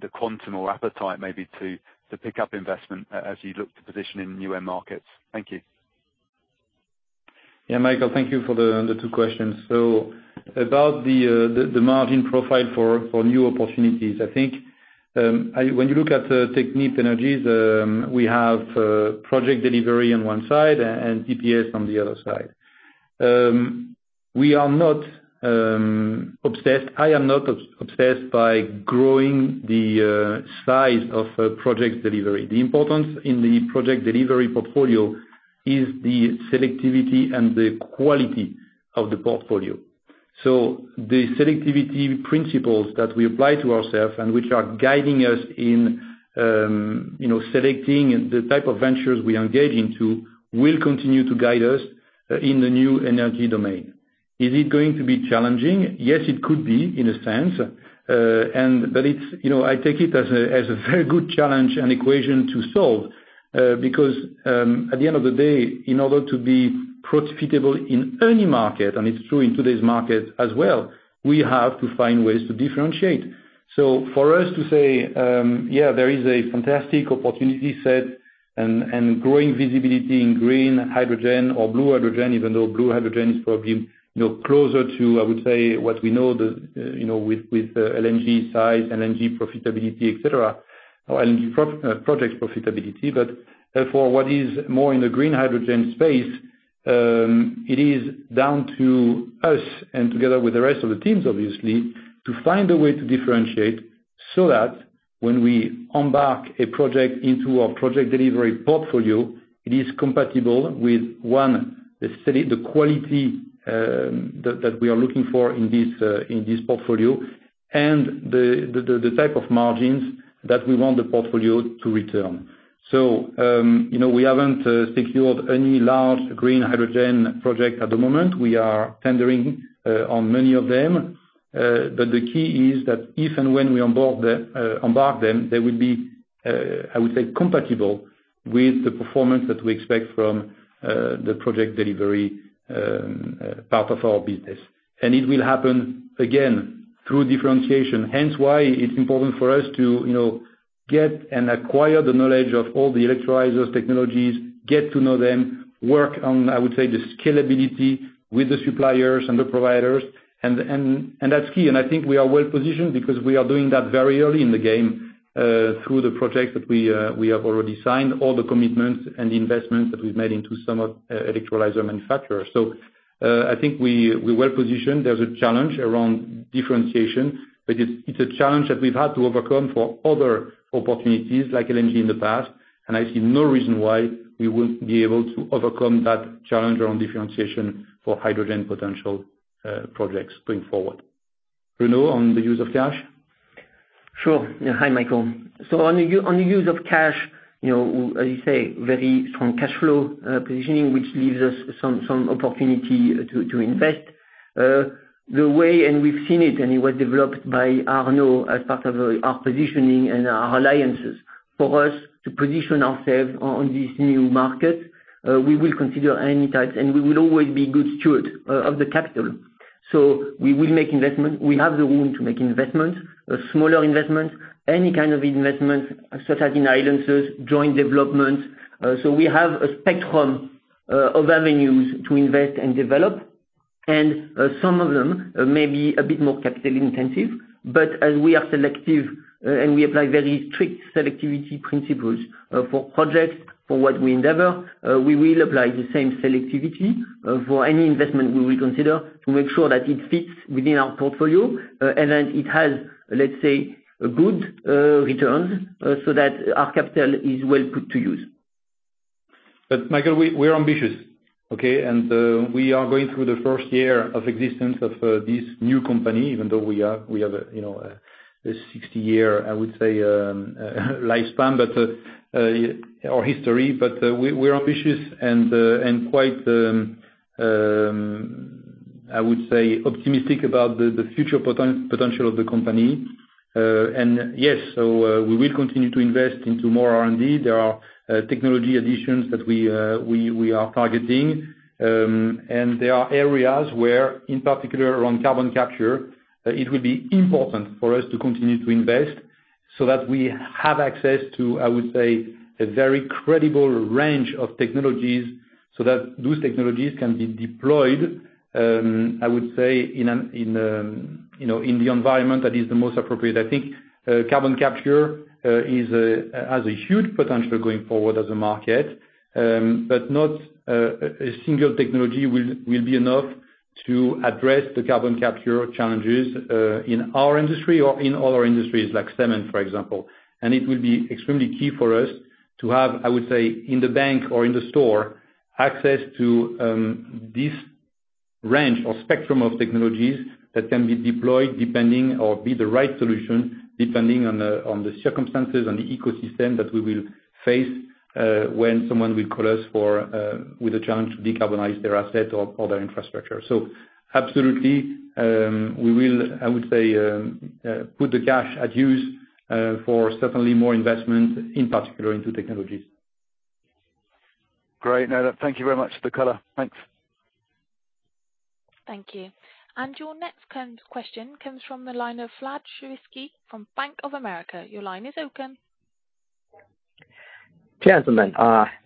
the quantum or appetite to pick up investment as you look to position in new end markets. Thank you. Yeah, Michael, thank you for the two questions. About the margin profile for new opportunities, I think when you look at Technip Energies, we have project delivery on one side and TPS on the other side. We are not obsessed. I am not obsessed with growing the size of project delivery. The importance in the project delivery portfolio is the selectivity and the quality of the portfolio. The selectivity principles that we apply to ourselves and which are guiding us in selecting the type of ventures we engage in will continue to guide us in the new energy domain. Is it going to be challenging? Yes, it could be, in a sense. I take it as a very good challenge and equation to solve, because at the end of the day, in order to be profitable in any market, and it's true in today's market as well, we have to find ways to differentiate. For us to say, yeah, there is a fantastic opportunity set and growing visibility in green hydrogen or blue hydrogen, even though blue hydrogen is probably closer to, I would say, what we know with LNG size, LNG profitability, et cetera, or LNG project profitability. For what is more in the green hydrogen space, it is down to us and together with the rest of the teams, obviously, to find a way to differentiate so that when we embark a project into our project delivery portfolio, it is compatible with, one, the quality that we are looking for in this portfolio and the type of margins that we want the portfolio to return. We haven't secured any large green hydrogen project at the moment. We are tendering on many of them. The key is that if and when we embark on them, they will be, I would say, compatible with the performance that we expect from the project delivery part of our business. It will happen, again, through differentiation. Hence, why it's important for us to get and acquire the knowledge of all the electrolyzer technologies, get to know them, work on, I would say, the scalability with the suppliers and the providers, and that's key. I think we are well-positioned because we are doing that very early in the game, through the project that we have already signed, all the commitments and the investments that we've made into some electrolyzer manufacturers. I think we're well-positioned. There's a challenge around differentiation, but it's a challenge that we've had to overcome for other opportunities like LNG in the past, and I see no reason why we wouldn't be able to overcome that challenge around differentiation for hydrogen potential projects going forward. Bruno, on the use of cash? Sure. Yeah. Hi, Michael. On the use of cash, as you say, very strong cash flow positioning, which leaves us some opportunity to invest. The way, and we've seen it, and it was developed by Arnaud as part of our positioning and our alliances. For us to position ourselves in this new market, we will consider any type, and we will always be good stewards of the capital. We will make an investment. We have the room to make an investment, a smaller investment, any kind of investment, such as in alliances, joint development. We have a spectrum of avenues to invest and develop, and some of them may be a bit more capital-intensive, but as we are selective and we apply very strict selectivity principles for projects, for what we endeavor, we will apply the same selectivity for any investment we will consider to make sure that it fits within our portfolio. That it has, let's say, a good return, so that our capital is well put to use. Michael, we're ambitious. Okay? We are going through the first year of existence of this new company, even though we have a 60 year, I would say, lifespan, but our history. We're ambitious, and quite, I would say, optimistic about the future potential of the company. Yes, we will continue to invest in more R&D. There are technology additions that we are targeting. There are areas where, in particular around carbon capture, it will be important for us to continue to invest so that we have access to, I would say, a very credible range of technologies so that those technologies can be deployed, I would say, in the environment that is the most appropriate. I think carbon capture has huge potential going forward as a market. Not a single technology will be enough to address the carbon capture challenges in our industry or in other industries like cement, for example. It will be extremely key for us to have, I would say, in the bank or in the store, access to this range or spectrum of technologies that can be deployed, depending on the right solution, depending on the circumstances, and the ecosystem that we will face, when someone calls us with a challenge to decarbonize their asset or their infrastructure. Absolutely, we will, I would say, put the cash to use, for certainly more investment, in particular into technologies. Great. No, thank you very much for the color. Thanks. Thank you. Your next question comes from the line of Vlad Sergievskiy from Bank of America. Your line is open. Gentlemen,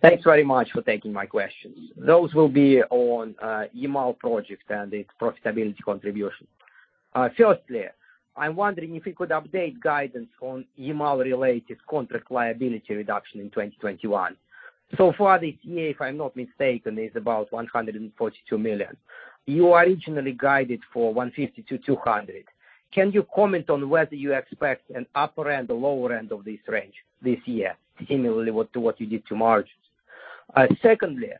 thanks very much for taking my questions. Those will be on the Yamal project and its profitability contribution. Firstly, I'm wondering if you could update guidance on the Yamal-related contract liability reduction in 2021. So far this year, if I'm not mistaken, it's about 142 million. You originally guided for 150 million-200 million. Can you comment on whether you expect an upper end or lower end of this range this year, similarly to what you did with margins? Secondly,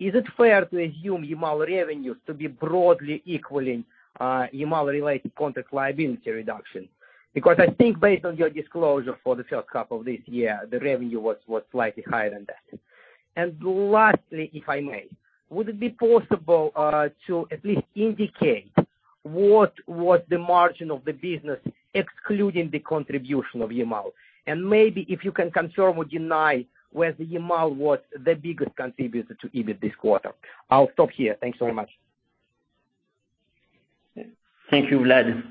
is it fair to assume Yamal revenues to be broadly equaling Yamal related contract liability reduction? I think, based on your disclosure for the first half of this year, the revenue was slightly higher than that. Lastly, if I may. Would it be possible to at least indicate what was the margin of the business excluding the contribution of Yamal? Maybe if you can confirm or deny whether Yamal was the biggest contributor to EBIT this quarter. I will stop here. Thanks so much. Thank you, Vlad.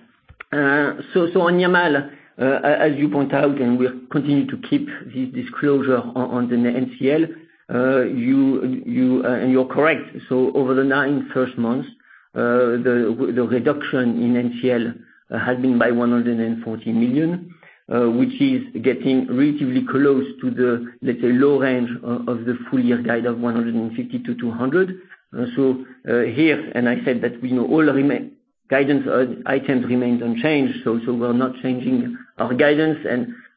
On Yamal, as you point out, and we'll continue to keep this disclosure on the NCL. You're correct. Over the first nine months, the reduction in NCL has been by 140 million, which is getting relatively close to the, let's say, low range of the full year guide of 150 million-200 million. Here, I said that we know all guidance items remain unchanged, so we're not changing our guidance.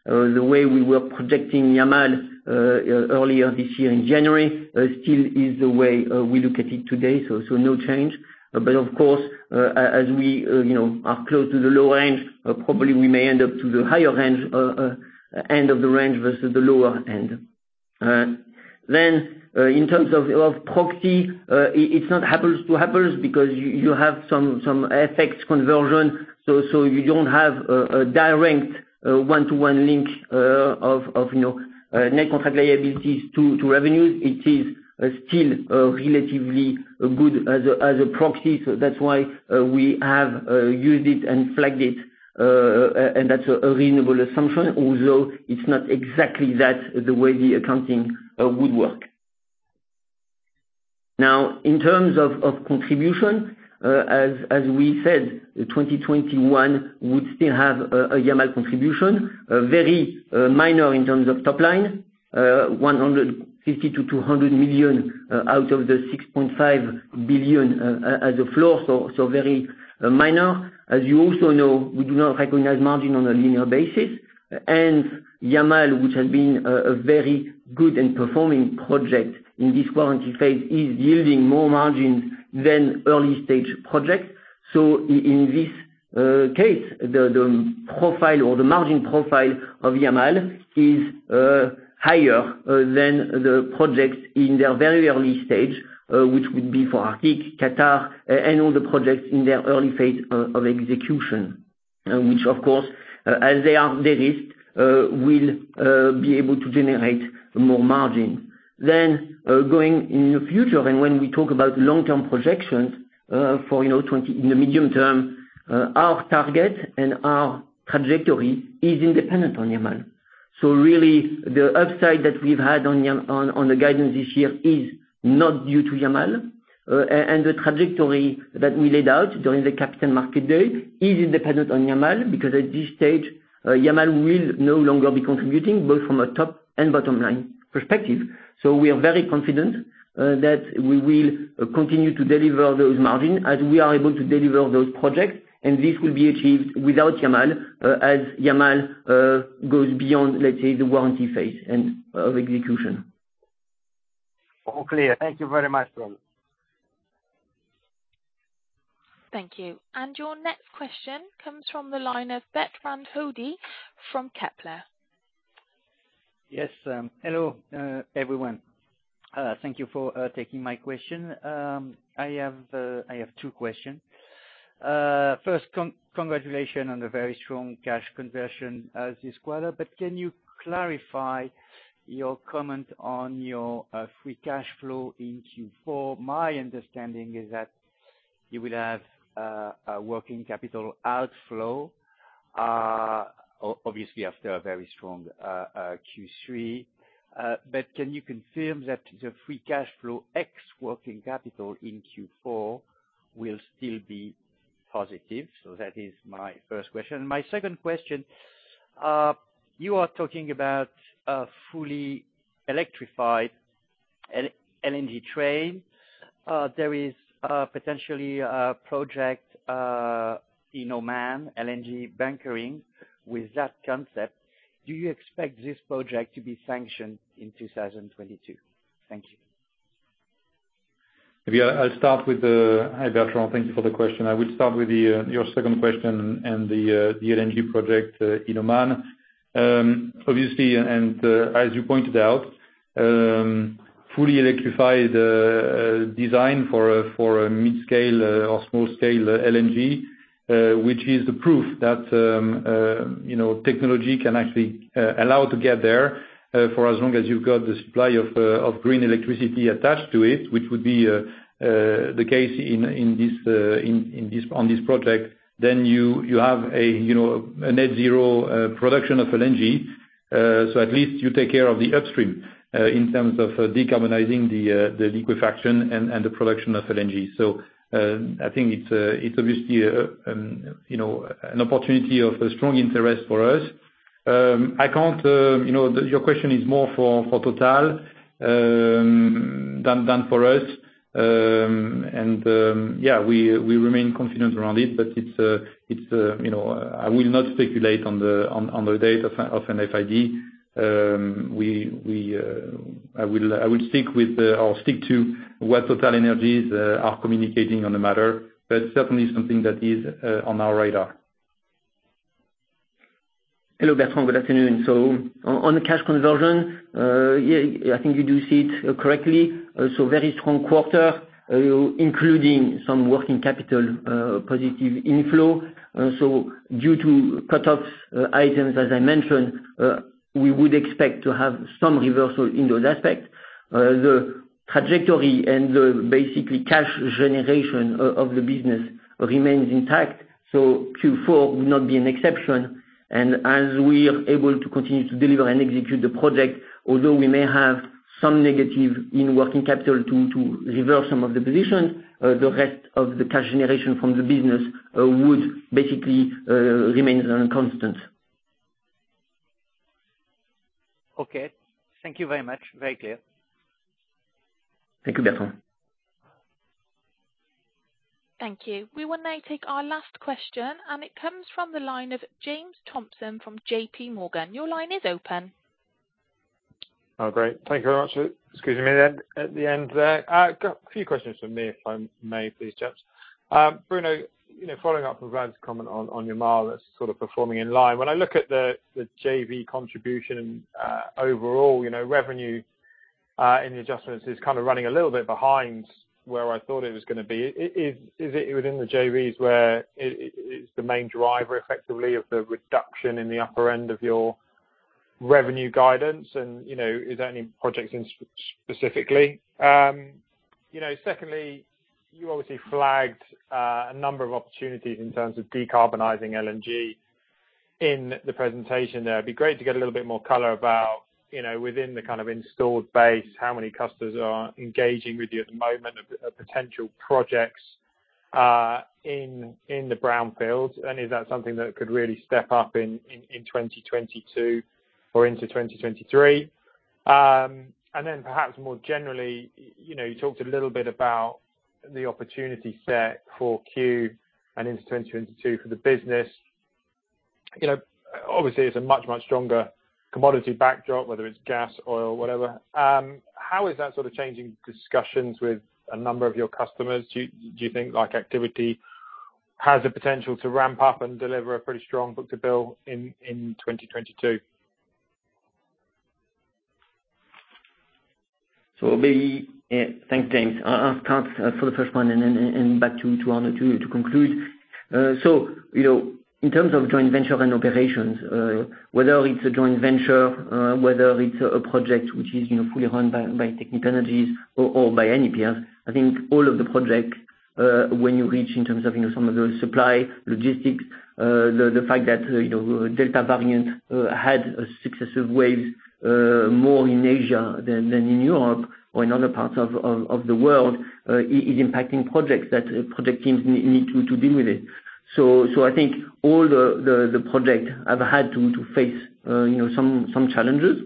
The way we were projecting Yamal earlier this year, in January, is still the way we look at it today, so no change. Of course, as we are close to the low range, we may end up at the higher end of the range versus the lower end. In terms of proxy, it's not apples to apples because you have some FX conversion, so you don't have a direct one-to-one link of net contract liabilities to revenues. It is still relatively good as a proxy, so that's why we have used it and flagged it, and that's a reasonable assumption, although it's not exactly the way the accounting would work. In terms of contribution, as we said, 2021 would still have a Yamal contribution, very minor in terms of top line, 150 million-200 million out of the 6.5 billion as a floor, so very minor. As you also know, we do not recognize margin on a linear basis. Yamal, which has been a very good and performing project in this warranty phase, is yielding more margins than early-stage projects. In this case, the profile or the margin profile of Yamal is higher than the projects in their very early stage, which would be for Arctic, Qatar, and all the projects in their early phase of execution, which, of course, as they are de-risked, will be able to generate more margin. Going into the future, and when we talk about long-term projections in the medium term, our target and our trajectory are independent of Yamal. Really, the upside that we've had on the guidance this year is not due to Yamal. The trajectory that we laid out during the Capital Markets Day is independent of Yamal, because at this stage Yamal will no longer be contributing from both a top and bottom line perspective. We are very confident that we will continue to deliver those margins as we are able to deliver those projects, and this will be achieved without Yamal, as Yamal goes beyond, let's say, the warranty phase of execution. All clear. Thank you very much, Bruno. Thank you. Your next question comes from the line of Bertrand Hodée from Kepler. Yes. Hello, everyone. Thank you for taking my question. I have two questions. First, congratulations on the very strong cash conversion this quarter. Can you clarify your comment on your free cash flow in Q4? My understanding is that you will have a working capital outflow, obviously, after a very strong Q3. Can you confirm that the free cash flow X working capital in Q4 will still be positive? That is my first question. My second question is, you are talking about a fully electrified LNG train. There is potentially a project in Oman, LNG bunkering, with that concept. Do you expect this project to be sanctioned in 2022? Thank you. Hi, Bertrand. Thank you for the question. I will start with your second question and the LNG project in Oman. As you pointed out, a fully electrified design for a mid-scale or small-scale LNG, which is the proof that technology can actually allow us to get there, for as long as you've got the supply of green electricity attached to it, which would be the case on this project, then you have a net-zero production of LNG. At least you take care of the upstream in terms of decarbonizing the liquefaction and the production of LNG. Your question is more for TotalEnergies than for us. Yeah, we remain confident around it, but I will not speculate on the date of an FID. I will stick to what TotalEnergies is communicating on the matter, but certainly something that is on our radar. Hello, Bertrand. Good afternoon. On the cash conversion, yeah, I think you do see it correctly. Very strong quarter, including some working capital positive inflow. Due to cut-off items, as I mentioned, we would expect to have some reversal in those aspects. The trajectory and the basic cash generation of the business remain intact. Q4 would not be an exception. As we are able to continue to deliver and execute the project, although we may have some negative in working capital to reverse some of the position, the rest of the cash generation from the business would basically remain constant. Okay. Thank you very much. Very clear. Thank you, Bertrand. Thank you. We will now take our last question. It comes from the line of James Thompson from JPMorgan. Your line is open. Oh, great. Thank you very much. Excuse me at the end there. Got a few questions from me, if I may please, gents. Bruno, following up on Vlad's comment on Yamal, that's sort of performing in line. When I look at the JV contribution overall, revenue in the adjustments is running a little bit behind where I thought it was going to be. Is it within the JVs where it's the main driver, effectively, of the reduction in the upper end of your revenue guidance? Are there any projects specifically? Secondly, you obviously flagged a number of opportunities in terms of decarbonizing LNG in the presentation there. It'd be great to get a little bit more color about within the kind of installed base, how many customers are engaging with you at the moment of potential projects in the brownfield, and is that something that could really step up in 2022 or into 2023? Perhaps more generally, you talked a little bit about the opportunity set for 4Q and into 2022 for the business. Obviously, it's a much, much stronger commodity backdrop, whether it's gas, oil, whatever. How is that sort of changing discussions with a number of your customers? Do you think activity has the potential to ramp up and deliver a pretty strong book-to-bill in 2022? Maybe, thanks, James. I'll start with the first one and go back to Arnaud to conclude. In terms of joint venture and operations, whether it's a joint venture, whether it's a project which is fully run by Technip Energies or by any peers, I think all of the projects, when you reach in terms of some of those supply logistics, the fact that Delta variant had successive waves more in Asia than in Europe or in other parts of the world, is impacting projects that project teams need to deal with it. I think all the project have had to face some challenges,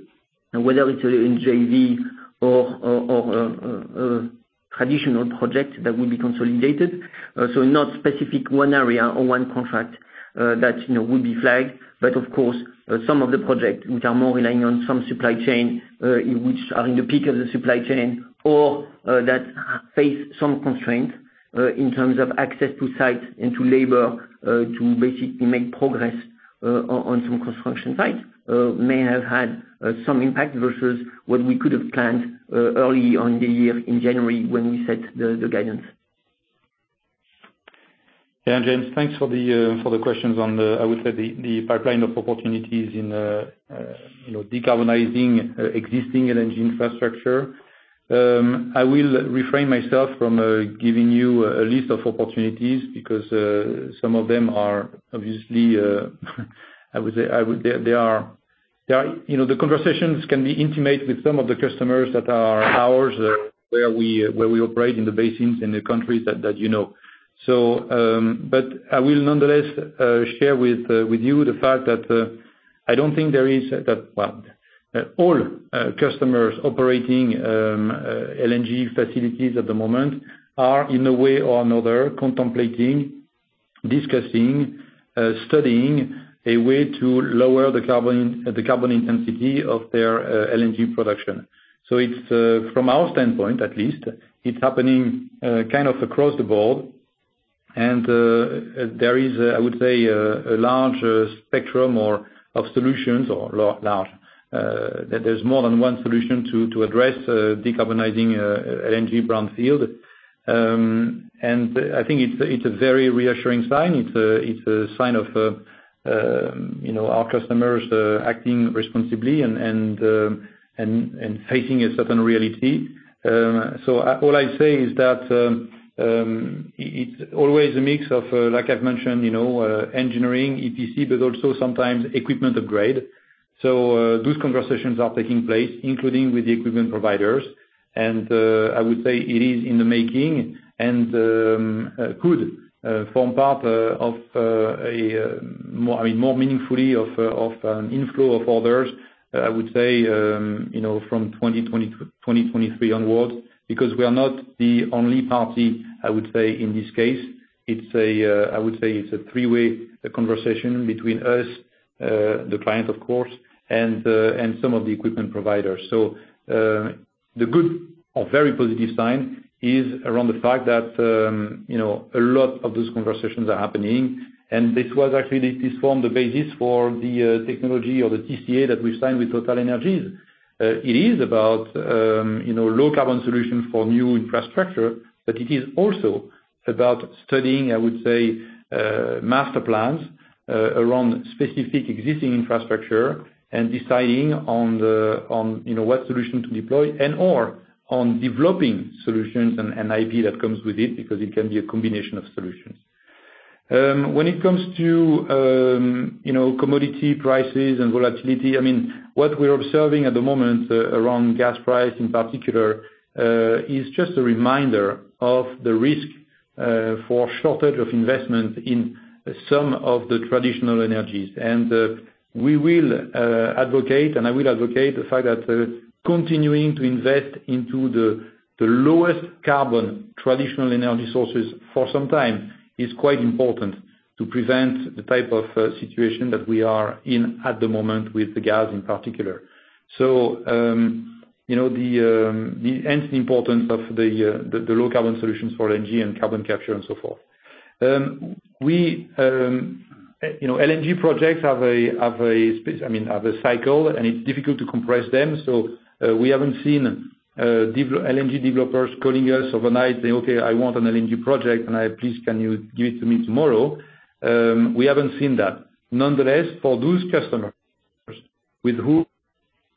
and whether it's in JV or a traditional project that will be consolidated. Not a specific area or one contract that would be flagged. Of course, some of the projects that rely more on a supply chain, which are in the peak of the supply chain, or that face some constraints in terms of access to the site and to labor, to basically make progress on some construction sites, may have had some impact versus what we could have planned early in the year in January, when we set the guidance. James, thanks for the questions on the, I would say, the pipeline of opportunities in decarbonizing existing LNG infrastructure. I will refrain myself from giving you a list of opportunities because some of them are obviously, I would say, the conversations can be intimate with some of the customers that are ours, where we operate in the basins, in the countries that you know. I will nonetheless share with you the fact that I don't think there is. Well, all customers operating LNG facilities at the moment are, in one way or another, contemplating, discussing, studying a way to lower the carbon intensity of their LNG production. From our standpoint at least, it's happening kind of across the board. There is, I would say, a large spectrum of solutions; there's more than one solution to address decarbonizing LNG brownfield. I think it's a very reassuring sign. It's a sign of our customers acting responsibly and facing a certain reality. All I say is that it's always a mix of, like I've mentioned, engineering, EPC, but also sometimes equipment upgrade. Those conversations are taking place, including with the equipment providers. I would say it is in the making and could form part of a more meaningful inflow of orders, I would say, from 2023 onwards. We are not the only party, I would say, in this case. I would say it's a three-way conversation between us, the client, of course, and some of the equipment providers. The good or very positive sign is around the fact that a lot of those conversations are happening, and this formed the basis for the technology or the TCA that we've signed with TotalEnergies. It is about low-carbon solutions for new infrastructure. It is also about studying, I would say, master plans around specific existing infrastructure and deciding on what solution to deploy and/or on developing solutions and IP that comes with it, because it can be a combination of solutions. When it comes to commodity prices and volatility, what we are observing at the moment, around gas prices in particular, is just a reminder of the risk for a shortage of investment in some of the traditional energies. We will advocate, and I will advocate the fact that continuing to invest in the lowest carbon traditional energy sources for some time is quite important to prevent the type of situation that we are in at the moment with the gas in particular. Hence, the importance of the low-carbon solutions for LNG and carbon capture, and so forth. LNG projects have a cycle, and it's difficult to compress them. We haven't seen LNG developers calling us overnight saying, "Okay, I want an LNG project, and please, can you give it to me tomorrow?" We haven't seen that. Nonetheless, for those customers with whom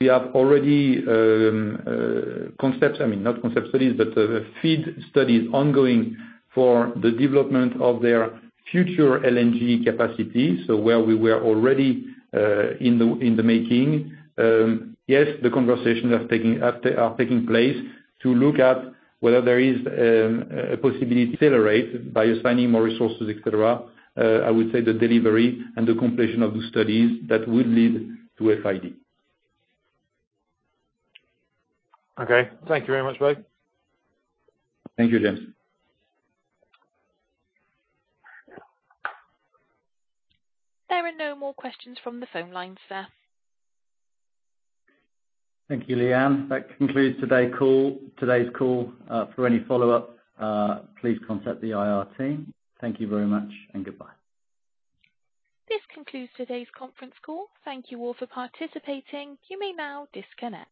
we have not already conducted concept studies, FEED studies are ongoing for the development of their future LNG capacity. Where we were already in the making. Yes, the conversations are taking place to look at whether there is a possibility to accelerate by assigning more resources, et cetera. I would say the delivery and the completion of the studies that will lead to FID. Okay. Thank you very much, both. Thank you, James. There are no more questions from the phone lines, sir. Thank you, Leanne. That concludes today's call. For any follow-up, please contact the IR team. Thank you very much, and goodbye. This concludes today's conference call. Thank you all for participating. You may now disconnect.